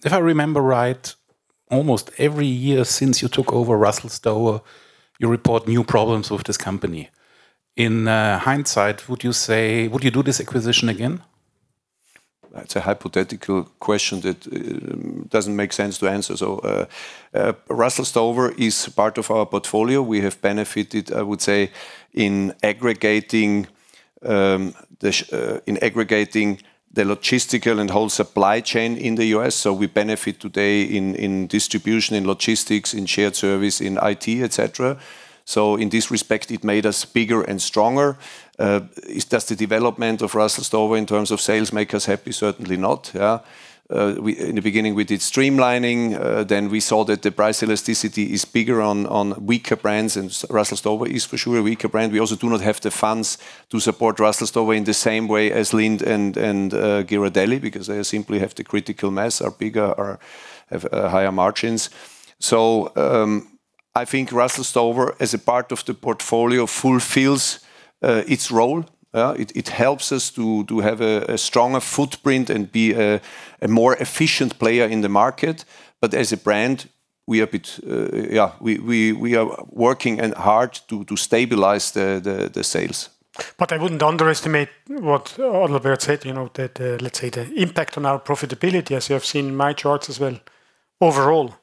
If I remember right, almost every year since you took over Russell Stover, you report new problems with this company. In hindsight, would you do this acquisition again? That's a hypothetical question that doesn't make sense to answer. Russell Stover is part of our portfolio. We have benefited, I would say, in aggregating the logistical and whole supply chain in the U.S. We benefit today in distribution, in logistics, in shared service, in IT, et cetera. In this respect, it made us bigger and stronger. Does the development of Russell Stover in terms of sales make us happy? Certainly not, yeah. In the beginning, we did streamlining. We saw that the price elasticity is bigger on weaker brands, and Russell Stover is for sure a weaker brand. We also do not have the funds to support Russell Stover in the same way as Lindt and Ghirardelli, because they simply have the critical mass, are bigger or have higher margins. I think Russell Stover, as a part of the portfolio, fulfills its role. It helps us to have a stronger footprint and be a more efficient player in the market. As a brand, we are a bit. We are working hard to stabilize the sales. I wouldn't underestimate what Adalbert Lechner said, you know, that, let's say, the impact on our profitability, as you have seen in my charts as well, overall,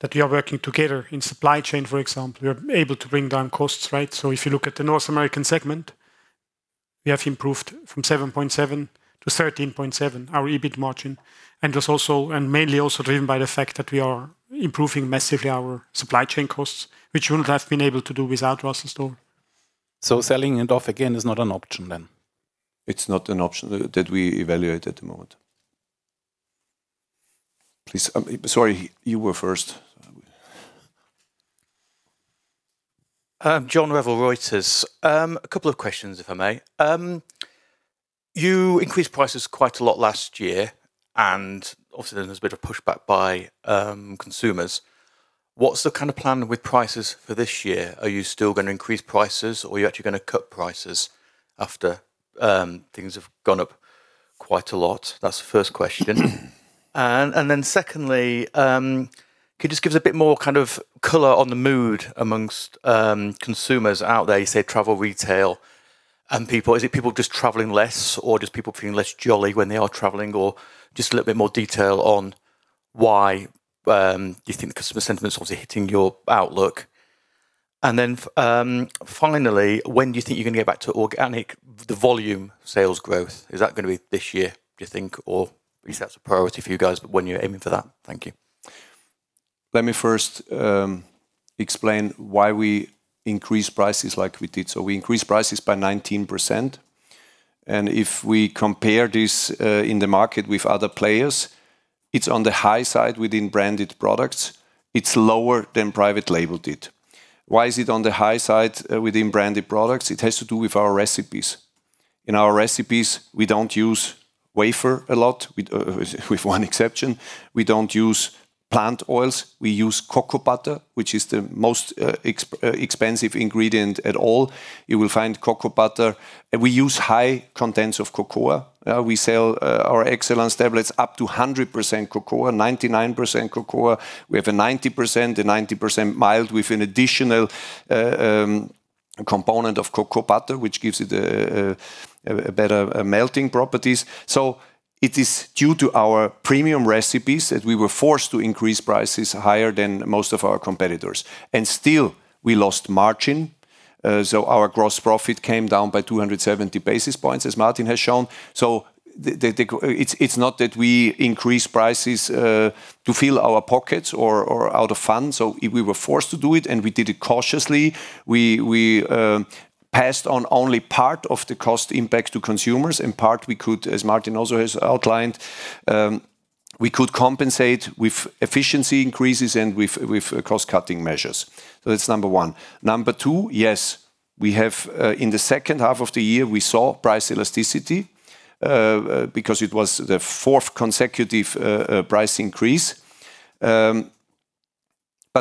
that we are working together in supply chain, for example. We are able to bring down costs, right? If you look at the North American segment, we have improved from 7.7%-13.7%, our EBIT margin, and mainly also driven by the fact that we are improving massively our supply chain costs, which we wouldn't have been able to do without Russell Stover. Selling it off again is not an option then? It's not an option that we evaluate at the moment. Please. Sorry, you were first. John Revell, Reuters. A couple of questions, if I may. You increased prices quite a lot last year, and obviously, then there's a bit of pushback by consumers. What's the kind of plan with prices for this year? Are you still gonna increase prices or you're actually gonna cut prices after things have gone up quite a lot? That's the first question. Secondly, can you just give us a bit more kind of color on the mood amongst consumers out there? You say travel retail and people. Is it people just traveling less, or just people feeling less jolly when they are traveling? Or just a little bit more detail on why you think the customer sentiment is obviously hitting your outlook. Finally, when do you think you're gonna get back to organic, the volume sales growth? Is that gonna be this year, do you think? Or at least that's a priority for you guys, but when you're aiming for that. Thank you. Let me first explain why we increased prices like we did. We increased prices by 19%. If we compare this in the market with other players, it's on the high side within branded products. It's lower than private label did. Why is it on the high side within branded products? It has to do with our recipes. In our recipes, we don't use wafer a lot, with one exception. We don't use plant oils. We use cocoa butter, which is the most expensive ingredient at all. You will find cocoa butter. We use high contents of cocoa. We sell our Excellence tablets up to 100% cocoa, 99% cocoa. We have a 90% mild with an additional component of cocoa butter, which gives it a better melting properties. It is due to our premium recipes that we were forced to increase prices higher than most of our competitors. Still, we lost margin. Our gross profit came down by 270 basis points, as Martin has shown. It's not that we increased prices to fill our pockets or out of funds. We were forced to do it, and we did it cautiously. We passed on only part of the cost impact to consumers. In part, we could, as Martin also has outlined, compensate with efficiency increases and with cost-cutting measures. That's number one. Number two, yes, we have in the H2 of the year, we saw price elasticity because it was the fourth consecutive price increase.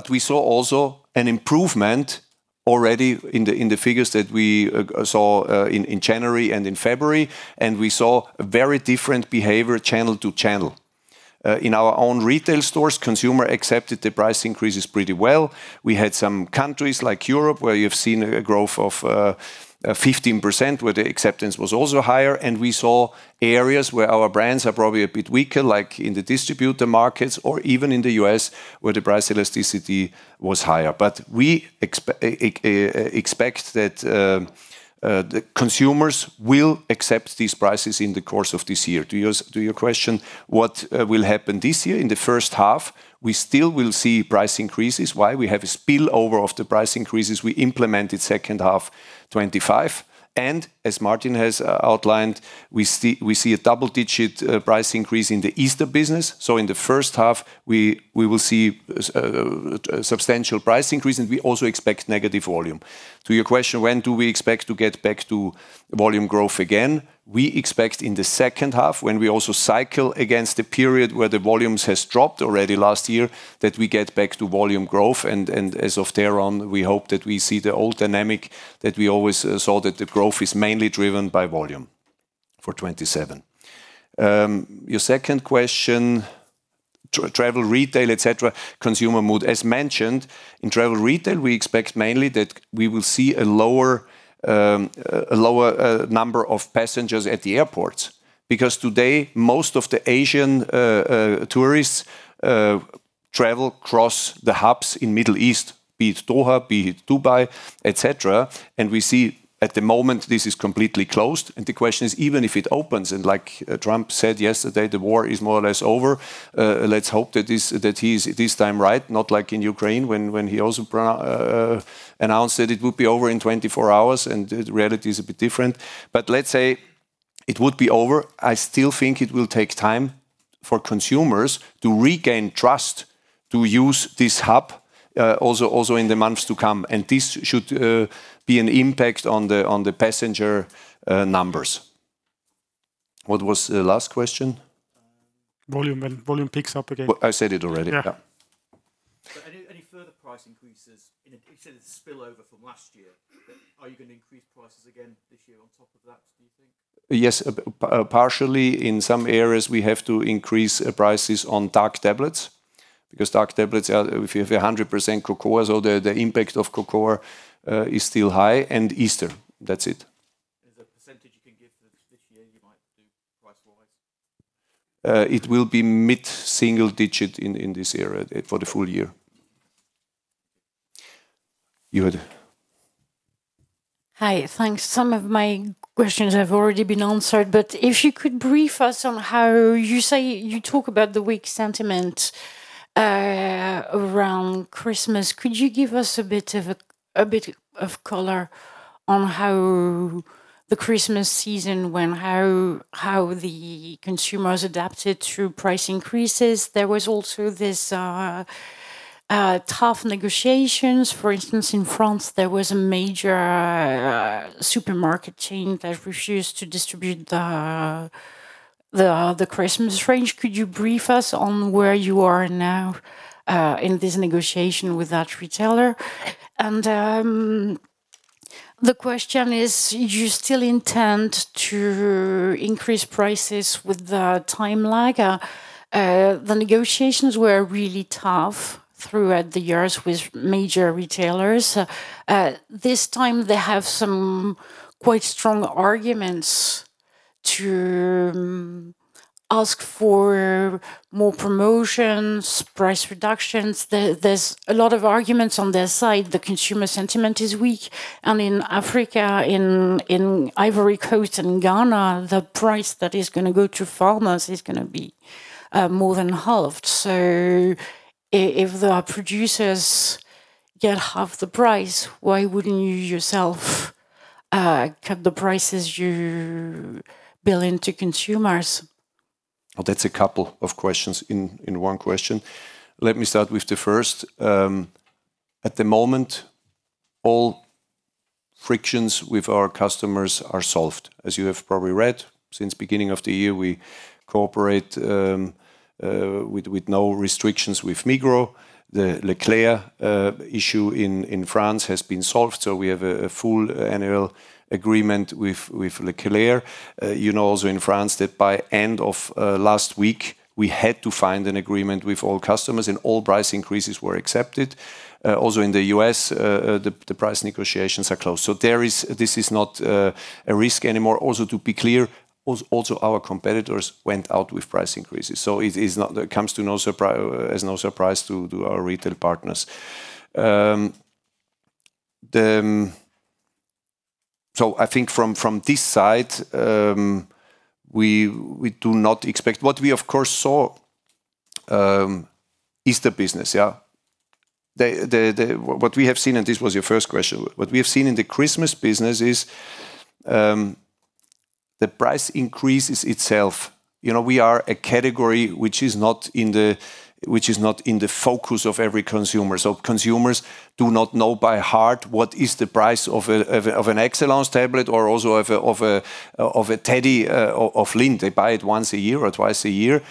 We saw also an improvement already in the figures that we saw in January and in February, and we saw a very different behavior channel to channel. In our own retail stores, consumers accepted the price increases pretty well. We had some countries like Europe, where you've seen a growth of 15%, where the acceptance was also higher. We saw areas where our brands are probably a bit weaker, like in the distributor markets or even in the U.S., where the price elasticity was higher. We expect that the consumers will accept these prices in the course of this year. To your question, what will happen this year? In the H1, we still will see price increases. Why? We have a spillover of the price increases we implemented H2 2025. As Martin has outlined, we see a double-digit price increase in the Easter business. In the H1, we will see substantial price increase, and we also expect negative volume. To your question, when do we expect to get back to volume growth again, we expect in the H2 when we also cycle against the period where the volumes has dropped already last year, that we get back to volume growth and as of thereon, we hope that we see the old dynamic that we always saw that the growth is mainly driven by volume for 2027. Your second question, travel retail, et cetera, consumer mood. As mentioned, in travel retail, we expect mainly that we will see a lower number of passengers at the airports. Today, most of the Asian tourists travel across the hubs in Middle East, be it Doha, be it Dubai, et cetera. We see at the moment this is completely closed, and the question is, even if it opens and like, Trump said yesterday, the war is more or less over, let's hope that he's this time right, not like in Ukraine when he also announced that it would be over in 24 hours and the reality is a bit different. Let's say it would be over. I still think it will take time for consumers to regain trust to use this hub, also in the months to come, and this should be an impact on the passenger numbers. What was the last question? Volume. When volume picks up again. Well, I said it already. Yeah. Yeah. Any further price increases in addition to the spillover from last year, are you gonna increase prices again this year on top of that, do you think? Yes. Partially. In some areas, we have to increase prices on dark tablets because dark tablets are, if you have 100% cocoa, so the impact of cocoa is still high, and Easter. That's it. As a percentage you can give to this year, you might do price-wise? It will be mid-single-digit in this area for the full year. Jud. Hi. Thanks. Some of my questions have already been answered, but if you could brief us on how you say you talk about the weak sentiment around Christmas. Could you give us a bit of color on how the Christmas season went, how the consumers adapted through price increases? There was also this tough negotiations. For instance, in France, there was a major supermarket chain that refused to distribute the Christmas range. Could you brief us on where you are now in this negotiation with that retailer? The question is, do you still intend to increase prices with the time lag? The negotiations were really tough throughout the years with major retailers. This time they have some quite strong arguments to ask for more promotions, price reductions. There's a lot of arguments on their side. The consumer sentiment is weak. In Africa, Ivory Coast and Ghana, the price that is gonna go to farmers is gonna be more than halved. If the producers get 1/2 the price, why wouldn't you yourself cut the prices you're billing to consumers? Well, that's a couple of questions in one question. Let me start with the first. At the moment, all frictions with our customers are solved. As you have probably read, since beginning of the year, we cooperate with no restrictions with Migros. The E.Leclerc issue in France has been solved, so we have a full annual agreement with E.Leclerc. You know also in France that by end of last week, we had to find an agreement with all customers and all price increases were accepted. Also, in the U.S., the price negotiations are closed. This is not a risk anymore. Also, to be clear, our competitors went out with price increases. So it comes as no surprise to our retail partners. I think from this side we do not expect. What we of course saw Easter business. What we have seen, this was your first question. What we have seen in the Christmas business is the price increases itself. You know, we are a category which is not in the focus of every consumer. Consumers do not know by heart what is the price of an Excellence tablet or also of a teddy of Lindt. They buy it once a year or twice a year.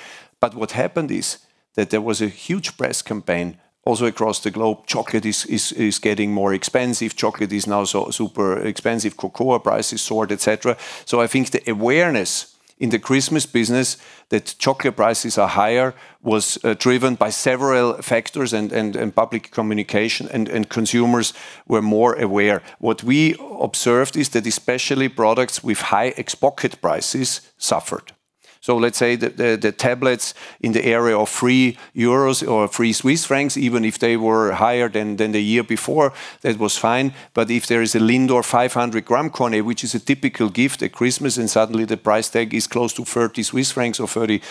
What happened is that there was a huge press campaign also across the globe. Chocolate is getting more expensive. Chocolate is now so super expensive. Cocoa prices soared, et cetera. I think the awareness in the Christmas business that chocolate prices are higher was driven by several factors and public communication and consumers were more aware. What we observed is that especially products with high out-of-pocket prices suffered. Let's say the tablets in the area of 3 euros or 3 Swiss francs, even if they were higher than the year before, that was fine. But if there is a Lindor 500-gram carton, which is a typical gift at Christmas, and suddenly the price tag is close to 30 Swiss francs or 30 euro,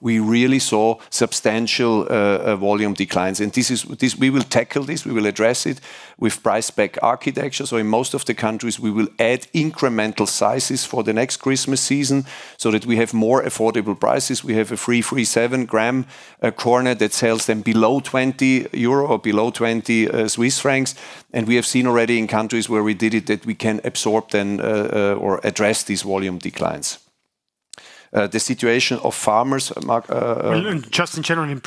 we really saw substantial volume declines. This, we will tackle this. We will address it with price-pack architecture. In most of the countries, we will add incremental sizes for the next Christmas season so that we have more affordable prices. We have a 47-gram corner that sells them below 20 euro or below 20 Swiss francs. We have seen already in countries where we did it that we can absorb them or address these volume declines. The situation of farmers, Martin Hug, Well, just in general, with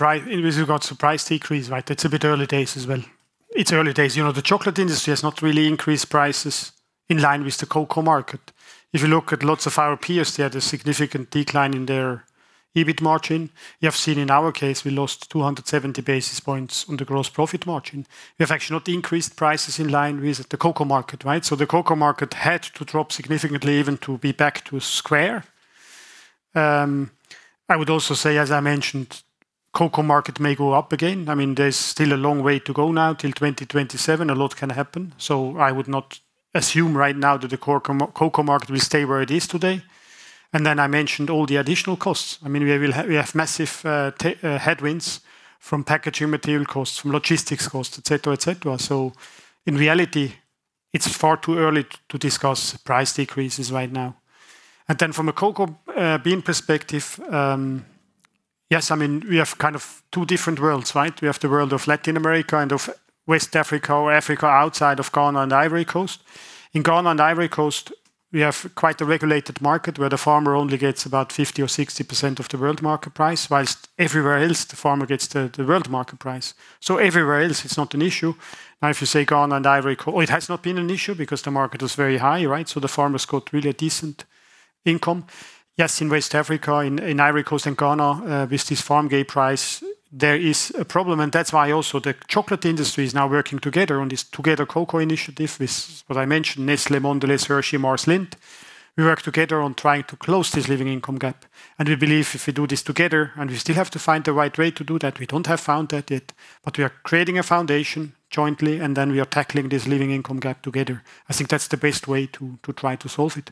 regard to price decrease, right? That's a bit early days as well. It's early days. You know, the chocolate industry has not really increased prices in line with the cocoa market. If you look at lots of our peers, they had a significant decline in their EBIT margin. You have seen in our case, we lost 270 basis points on the gross profit margin. We have actually not increased prices in line with the cocoa market, right? The cocoa market had to drop significantly even to be back to square. I would also say, as I mentioned, cocoa market may go up again. I mean, there's still a long way to go now till 2027, a lot can happen. I would not assume right now that the cocoa market will stay where it is today. I mentioned all the additional costs. I mean, we will have—we have massive headwinds from packaging material costs, from logistics costs, et cetera, et cetera. In reality, it's far too early to discuss price decreases right now. From a cocoa bean perspective, yes, I mean, we have kind of two different worlds, right? We have the world of Latin America and of West Africa or Africa outside of Ghana and Ivory Coast. In Ghana and Ivory Coast, we have quite a regulated market where the farmer only gets about 50% or 60% of the world market price, while everywhere else, the farmer gets the world market price. Everywhere else, it's not an issue. Now, if you say Ghana and Ivory Coast, it has not been an issue because the market was very high, right? The farmers got really a decent income. Yes, in West Africa, in Ivory Coast and Ghana, with this farm gate price, there is a problem. That's why also the chocolate industry is now working together on this TogetherCocoa initiative with what I mentioned, Nestlé, Mondelez, Hershey, Mars, Lindt. We work together on trying to close this living income gap. We believe if we do this together, and we still have to find the right way to do that, we don't have found that yet, but we are creating a foundation jointly, and then we are tackling this living income gap together. I think that's the best way to try to solve it.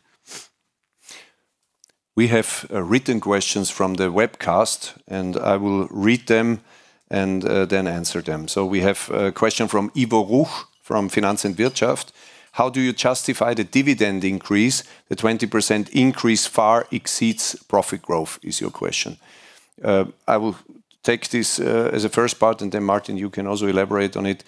We have written questions from the webcast, and I will read them and then answer them. We have a question from Ivo Ruch from Finanz und Wirtschaft. How do you justify the dividend increase? The 20% increase far exceeds profit growth, is your question. I will take this as a first part, and then Martin, you can also elaborate on it.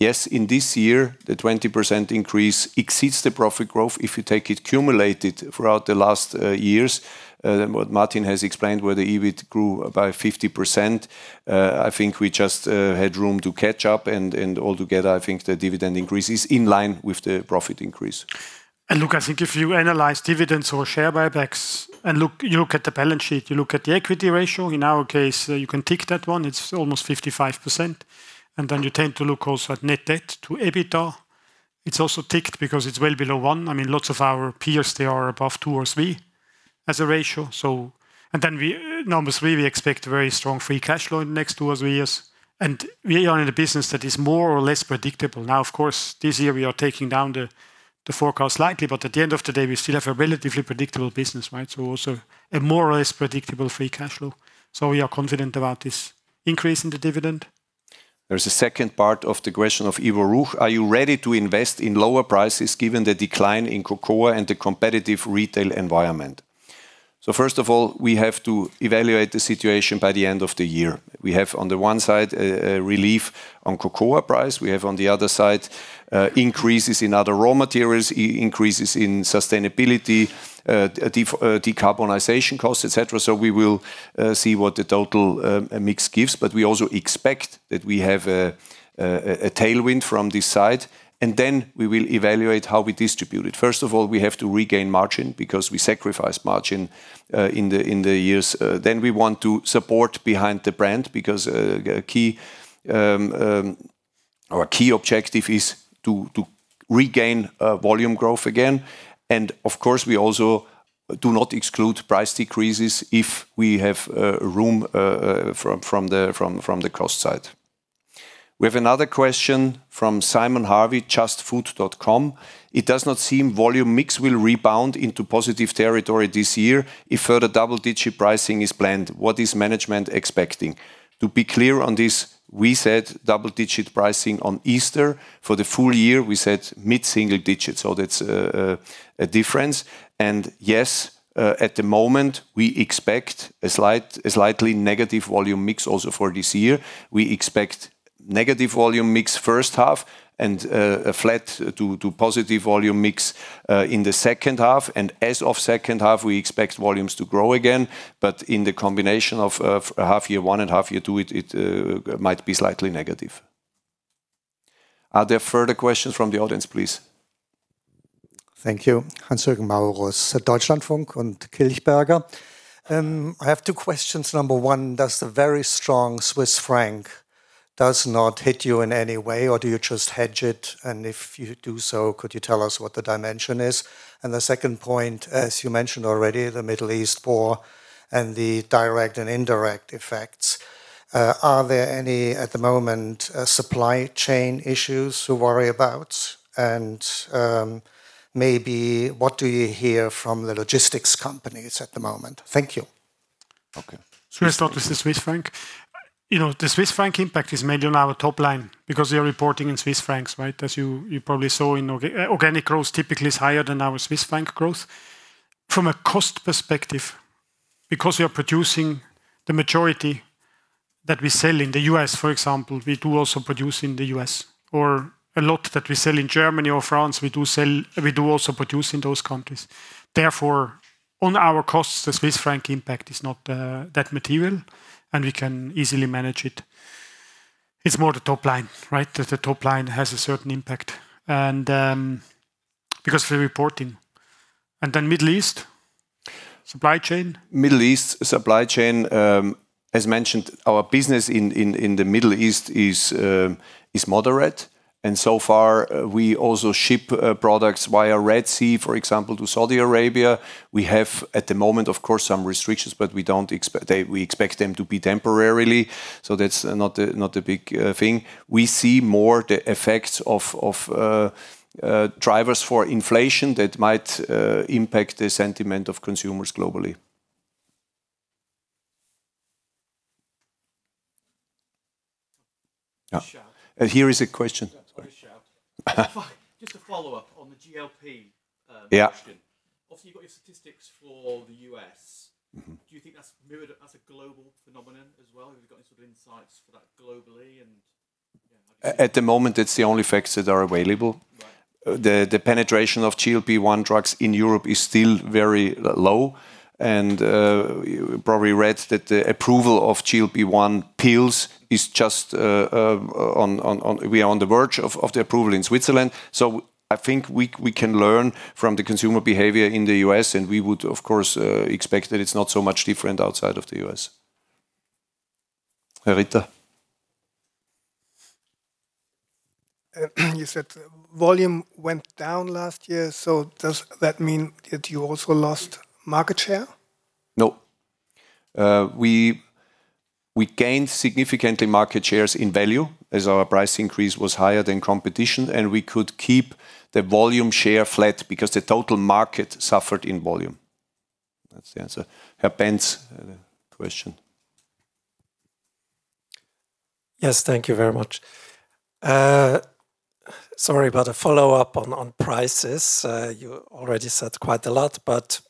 Yes, in this year, the 20% increase exceeds the profit growth. If you take it cumulated throughout the last years, then what Martin has explained, where the EBIT grew by 50%, I think we just had room to catch up. And altogether, I think the dividend increase is in line with the profit increase. Look, I think if you analyze dividends or share buybacks, you look at the balance sheet, you look at the equity ratio, in our case, you can tick that one. It's almost 55%. Then you tend to look also at net debt to EBITDA. It's also ticked because it's well below one. I mean, lots of our peers, they are above two or three as a ratio. We expect very strong free cash flow in the next two years or three years. We are in a business that is more or less predictable. Now, of course, this year we are taking down the forecast slightly, but at the end of the day, we still have a relatively predictable business, right? Also a more or less predictable free cash flow. We are confident about this increase in the dividend. There's a second part of the question of Ivo Ruch. Are you ready to invest in lower prices given the decline in cocoa and the competitive retail environment? First of all, we have to evaluate the situation by the end of the year. We have, on the one side, a relief on cocoa price. We have, on the other side, increases in other raw materials, increases in sustainability, decarbonization costs, et cetera. We will see what the total mix gives. We also expect that we have a tailwind from this side, and then we will evaluate how we distribute it. First of all, we have to regain margin because we sacrificed margin in the years. Then we want to support behind the brand because a key. Our key objective is to regain volume growth again. Of course, we also do not exclude price decreases if we have room from the cost side. We have another question from Simon Harvey, Just Food. It does not seem volume mix will rebound into positive territory this year if further double-digit pricing is planned. What is management expecting? To be clear on this, we said double-digit pricing on Easter. For the full year, we said mid-single digits. That's a difference. Yes, at the moment, we expect a slightly negative volume mix also for this year. We expect negative volume mix H1 and a flat to positive volume mix in the H2. As of H2, we expect volumes to grow again. In the combination of half year one and half year two, it might be slightly negative. Are there further questions from the audience, please? Thank you. Hans-Jürgen Maurus, Deutschlandfunk und Kilchberg. I have two questions. Number one, does the very strong Swiss franc Does not hit you in any way, or do you just hedge it? If you do so, could you tell us what the dimension is? The second point, as you mentioned already, the Middle East war and the direct and indirect effects. Are there any, at the moment, supply chain issues to worry about? Maybe what do you hear from the logistics companies at the moment? Thank you. Okay. Let's start with the Swiss franc. You know, the Swiss franc impact is mainly on our top line because we are reporting in Swiss francs, right? As you probably saw, organic growth typically is higher than our Swiss franc growth. From a cost perspective, because we are producing the majority that we sell in the U.S., for example, we also produce in the U.S. A lot that we sell in Germany or France, we also produce in those countries. Therefore, on our costs, the Swiss franc impact is not that material, and we can easily manage it. It's more the top line, right? The top line has a certain impact because we're reporting. Then Middle East supply chain? Middle East supply chain, as mentioned, our business in the Middle East is moderate. So far we also ship products via Red Sea, for example, to Saudi Arabia. We have, at the moment, of course, some restrictions, but we don't expect them to be temporarily, so that's not a big thing. We see more the effects of drivers for inflation that might impact the sentiment of consumers globally. A shout. Here is a question. That was quite a shout. Just a follow-up on the GLP question. Yeah. Obviously, you've got your statistics for the U.S. Mm-hmm. Do you think that's mirrored as a global phenomenon as well? Have you got any sort of insights for that globally and, yeah, how do you see it? At the moment, it's the only facts that are available. Right. The penetration of GLP-1 drugs in Europe is still very low. You probably read that we are on the verge of the approval of GLP-1 pills in Switzerland. I think we can learn from the consumer behavior in the U.S. and we would of course expect that it's not so much different outside of the U.S. Rita? You said volume went down last year, so does that mean that you also lost market share? No. We gained significantly market shares in value as our price increase was higher than competition, and we could keep the volume share flat because the total market suffered in volume. That's the answer. Herr Benz had a question. Yes. Thank you very much. Sorry about a follow-up on prices. You already said quite a lot, but,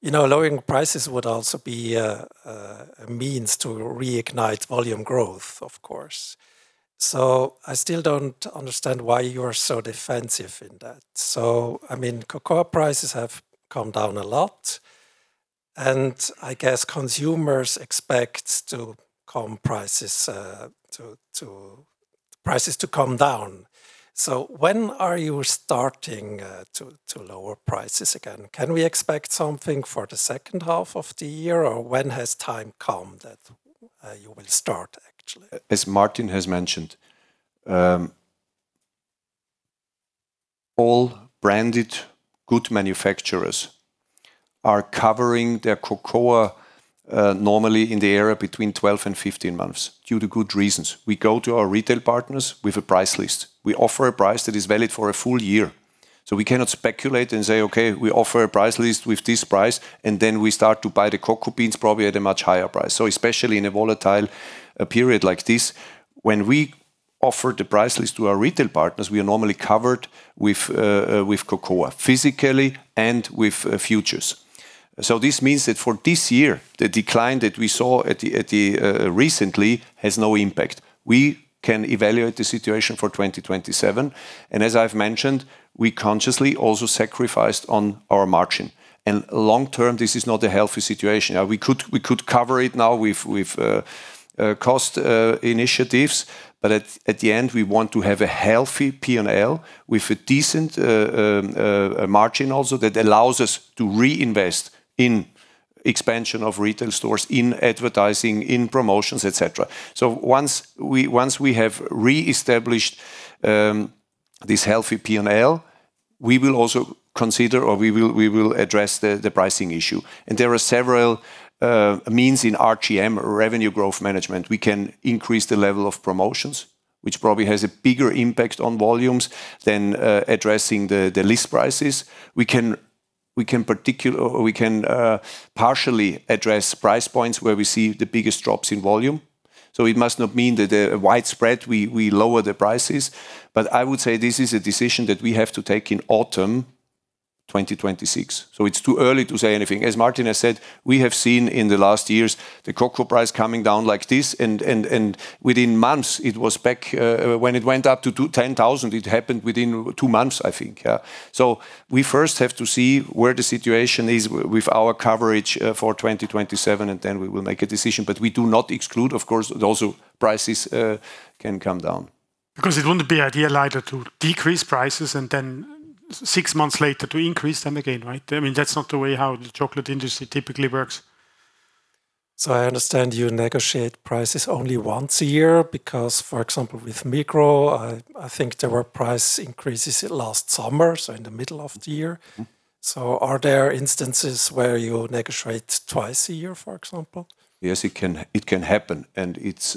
you know, lowering prices would also be a means to reignite volume growth, of course. I still don't understand why you are so defensive in that. I mean, cocoa prices have come down a lot, and I guess consumers expect calmer prices to come down. When are you starting to lower prices again? Can we expect something for the H2 of the year, or when the time has come that you will start actually? As Martin has mentioned, all branded goods manufacturers are covering their cocoa normally in the area between 12 monthsand 15 months due to good reasons. We go to our retail partners with a price list. We offer a price that is valid for a full year. We cannot speculate and say, "Okay, we offer a price list with this price," and then we start to buy the cocoa beans probably at a much higher price. Especially in a volatile period like this, when we offer the price list to our retail partners, we are normally covered with cocoa physically and with futures. This means that for this year, the decline that we saw recently has no impact. We can evaluate the situation for 2027. As I've mentioned, we consciously also sacrificed on our margin. Long term, this is not a healthy situation. Now we could cover it now with cost initiatives, but at the end, we want to have a healthy P&L with a decent margin also that allows us to reinvest in expansion of retail stores, in advertising, in promotions, et cetera. Once we have re-established this healthy P&L, we will also consider or we will address the pricing issue. There are several means in RGM or Revenue Growth Management. We can increase the level of promotions, which probably has a bigger impact on volumes than addressing the list prices. We can partially address price points where we see the biggest drops in volume. It must not mean that, widespread, we lower the prices. I would say this is a decision that we have to take in autumn 2026, so it's too early to say anything. As Martin has said, we have seen in the last years the cocoa price coming down like this and within months it was back. When it went up to 10,000, it happened within two months, I think. We first have to see where the situation is with our coverage for 2027, and then we will make a decision. We do not exclude, of course, those prices can come down. Because it wouldn't be ideal either to decrease prices and then six months later to increase them again, right? I mean, that's not the way how the chocolate industry typically works. I understand you negotiate prices only once a year because, for example, with Migros, I think there were price increases last summer, so in the middle of the year. Mm-hmm. Are there instances where you negotiate twice a year, for example? Yes. It can happen, and it's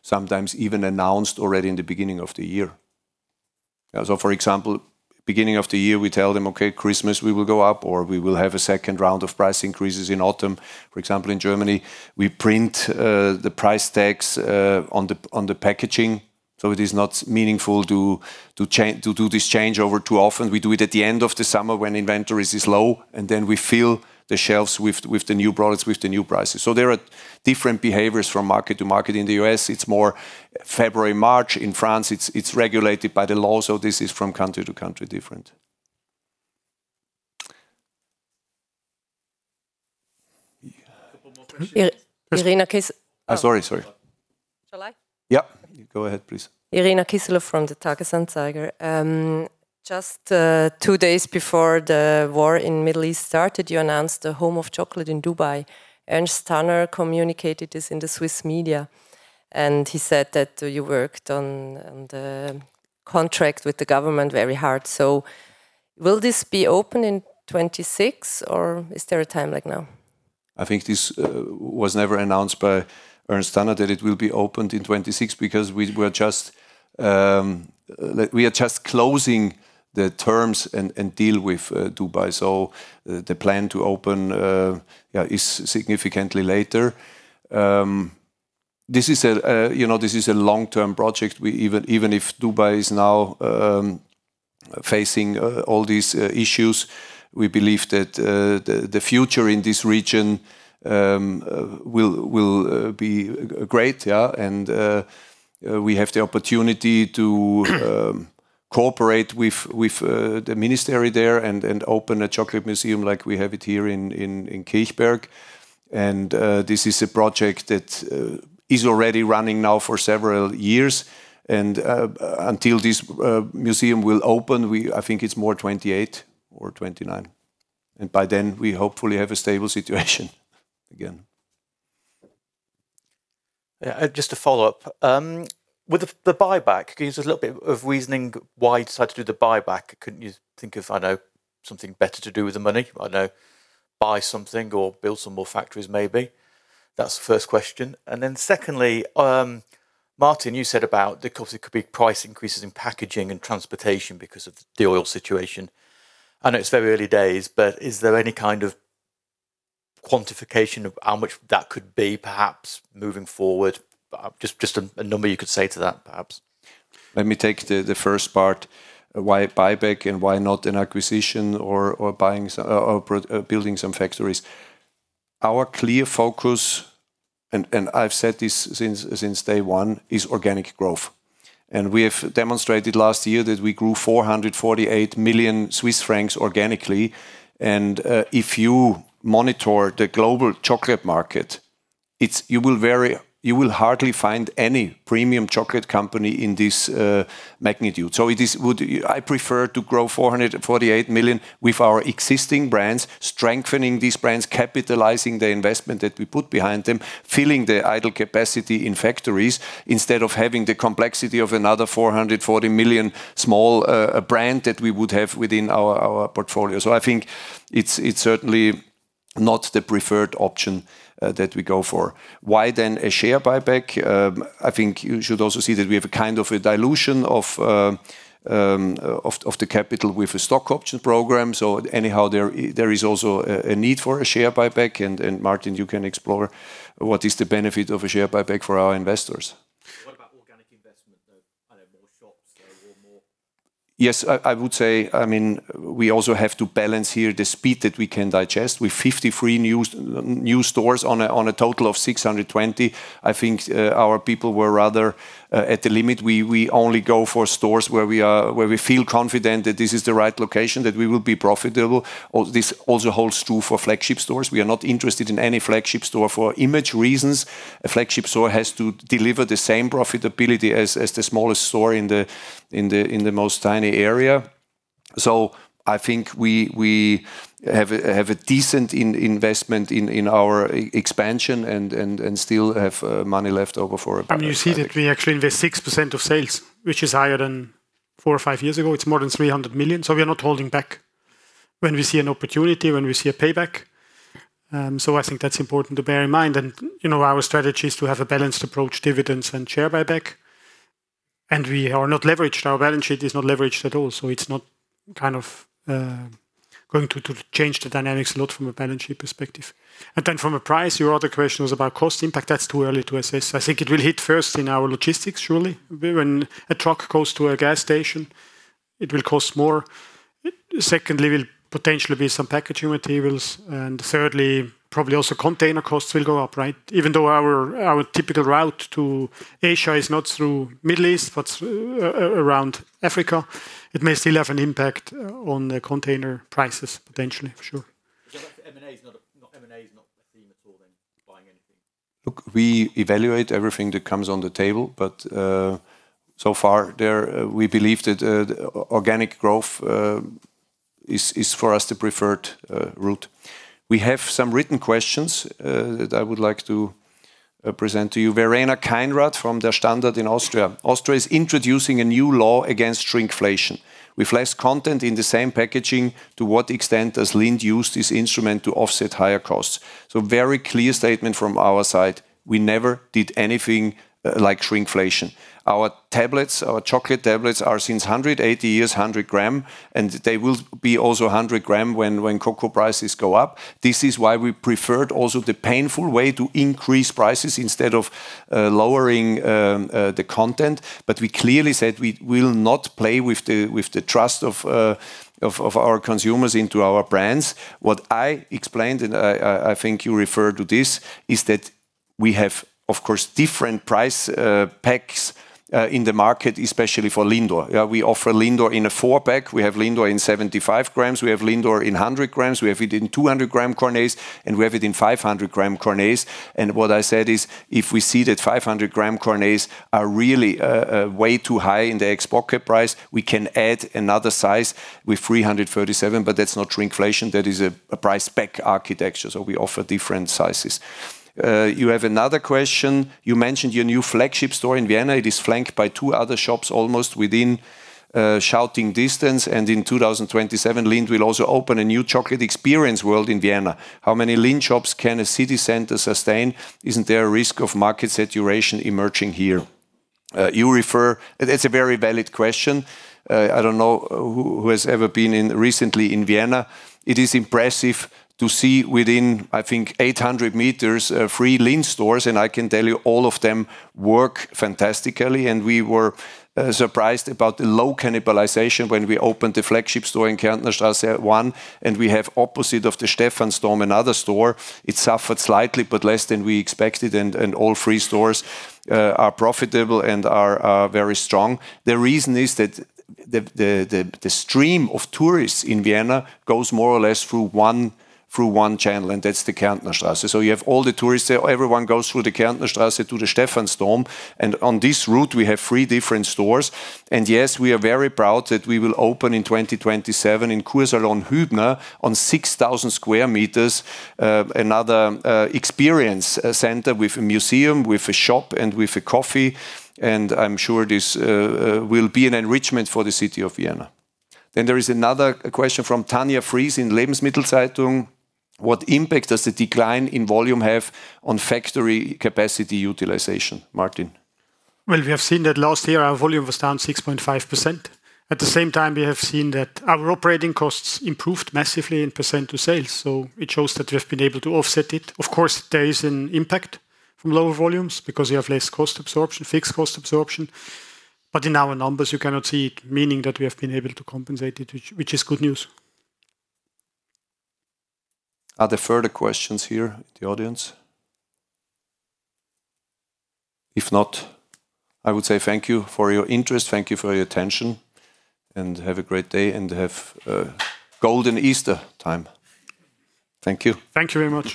sometimes even announced already in the beginning of the year. Yeah. For example, beginning of the year, we tell them, "Okay, Christmas, we will go up," or, "We will have a second round of price increases in autumn." For example, in Germany, we print the price tags on the packaging, so it is not meaningful to do this changeover too often. We do it at the end of the summer when inventories is low, and then we fill the shelves with the new products with the new prices. There are different behaviors from market to market. In the U.S., it's more February, March. In France, it's regulated by the law. This is from country to country different. A couple more questions. Ir- Sorry. Shall I? Yeah. Go ahead, please. Irina Kiselyova from the Tages-Anzeiger. Just two days before the war in the Middle East started, you announced the Home of Chocolate in Dubai. Ernst Tanner communicated this in the Swiss media, and he said that you worked on the contract with the government very hard. Will this be open in 2026, or is there a timeline now? I think this was never announced by Ernst Tanner that it will be opened in 2026 because we were just like we are just closing the terms and deal with Dubai. The plan to open is significantly later. This is a, you know, long-term project. We even if Dubai is now facing all these issues, we believe that the future in this region will be great. We have the opportunity to cooperate with the ministry there and open a chocolate museum like we have it here in Kilchberg. This is a project that is already running now for several years. Until this museum will open, I think it's more 2028 or 2029. By then we hopefully have a stable situation again. Yeah. Just to follow up. With the buyback, can you give us a little bit of reasoning why you decided to do the buyback? Couldn't you think of, I know, something better to do with the money? I know, buy something or build some more factories, maybe. That's the first question. Secondly, Martin, you said about the cost, it could be price increases in packaging and transportation because of the oil situation. I know it's very early days, but is there any kind of quantification of how much that could be perhaps moving forward? Just a number you could say to that, perhaps. Let me take the first part. Why buyback and why not an acquisition or buying or building some factories? Our clear focus, I've said this since day one, is organic growth. We have demonstrated last year that we grew 448 million Swiss francs organically. If you monitor the global chocolate market, you will hardly find any premium chocolate company in this magnitude. I prefer to grow 448 million with our existing brands, strengthening these brands, capitalizing the investment that we put behind them, filling the idle capacity in factories instead of having the complexity of another 440 million small brand that we would have within our portfolio. I think it's certainly not the preferred option that we go for. Why then a share buyback? I think you should also see that we have a kind of a dilution of the capital with a stock option program. Anyhow there is also a need for a share buyback. Martin, you can explore what is the benefit of a share buyback for our investors. What about organic investment, though? I know more shops or more. Yes. I would say, I mean, we also have to balance here the speed that we can digest. With 53 new stores on a total of 620 stores, I think, our people were rather at the limit. We only go for stores where we feel confident that this is the right location, that we will be profitable. This also holds true for flagship stores. We are not interested in any flagship store for image reasons. A flagship store has to deliver the same profitability as the smallest store in the most tiny area. I think we have a decent investment in our expansion and still have money left over for You see that we actually invest 6% of sales, which is higher than four years or five years ago. It's more than 300 million. We are not holding back when we see an opportunity, when we see a payback. I think that's important to bear in mind. You know, our strategy is to have a balanced approach, dividends and share buyback. We are not leveraged. Our balance sheet is not leveraged at all, so it's not kind of going to change the dynamics a lot from a balance sheet perspective. Then from a price, your other question was about cost impact. That's too early to assess. I think it will hit first in our logistics, surely. When a truck goes to a gas station, it will cost more. Secondly, will potentially be some packaging materials. Thirdly, probably also container costs will go up, right? Even though our typical route to Asia is not through Middle East, but around Africa, it may still have an impact on the container prices, potentially, for sure. M&A is not a theme at all then, buying anything? Look, we evaluate everything that comes on the table, but so far there, we believe that organic growth is for us the preferred route. We have some written questions that I would like to present to you. Verena Kainrath from Der Standard in Austria. Austria is introducing a new law against shrinkflation. With less content in the same packaging, to what extent does Lindt use this instrument to offset higher costs? Very clear statement from our side, we never did anything like shrinkflation. Our tablets, our chocolate tablets, are since 180 years 100 gram, and they will be also 100 gram when cocoa prices go up. This is why we preferred also the painful way to increase prices instead of lowering the content. We clearly said we will not play with the trust of our consumers into our brands. What I explained, and I think you referred to this, is that we have, of course, different price packs in the market, especially for Lindor. Yeah, we offer Lindor in a four-pack. We have Lindor in 75 grams. We have Lindor in 100 grams. We have it in 200-gram Cornets, and we have it in 500-gram Cornets. What I said is, if we see that 500-gram Cornets are really way too high in the export price, we can add another size with 337, but that's not shrinkflation. That is a price pack architecture. We offer different sizes. You have another question. You mentioned your new flagship store in Vienna. It is flanked by two other shops almost within shouting distance. In 2027, Lindt will also open a new chocolate experience world in Vienna. How many Lindt shops can a city center sustain? Isn't there a risk of market saturation emerging here? It's a very valid question. I don't know who has ever been recently in Vienna. It is impressive to see within, I think, 800 meters, three Lindt stores, and I can tell you all of them work fantastically. We were surprised about the low cannibalization when we opened the flagship store in Kärntner Straße 1, and we have opposite of the Stephansdom another store. It suffered slightly, but less than we expected and all three stores are profitable and are very strong. The reason is that the stream of tourists in Vienna goes more or less through one channel, and that's the Kärntner Straße. So you have all the tourists there. Everyone goes through the Kärntner Straße to the Stephansdom, and on this route we have three different stores. Yes, we are very proud that we will open in 2027 in Kursalon Hübner on 6,000 square meters, another experience center with a museum, with a shop and with a coffee, and I'm sure this will be an enrichment for the city of Vienna. There is another question from Tanja Fries in Lebensmittel Zeitung. What impact does the decline in volume have on factory capacity utilization? Martin. Well, we have seen that last year our volume was down 6.5%. At the same time, we have seen that our operating costs improved massively as percentage of sales, so it shows that we have been able to offset it. Of course, there is an impact from lower volumes because you have less cost absorption, fixed cost absorption. In our numbers you cannot see it, meaning that we have been able to compensate it, which is good news. Are there further questions here in the audience? If not, I would say thank you for your interest, thank you for your attention, and have a great day, and have a golden Easter time. Thank you. Thank you very much.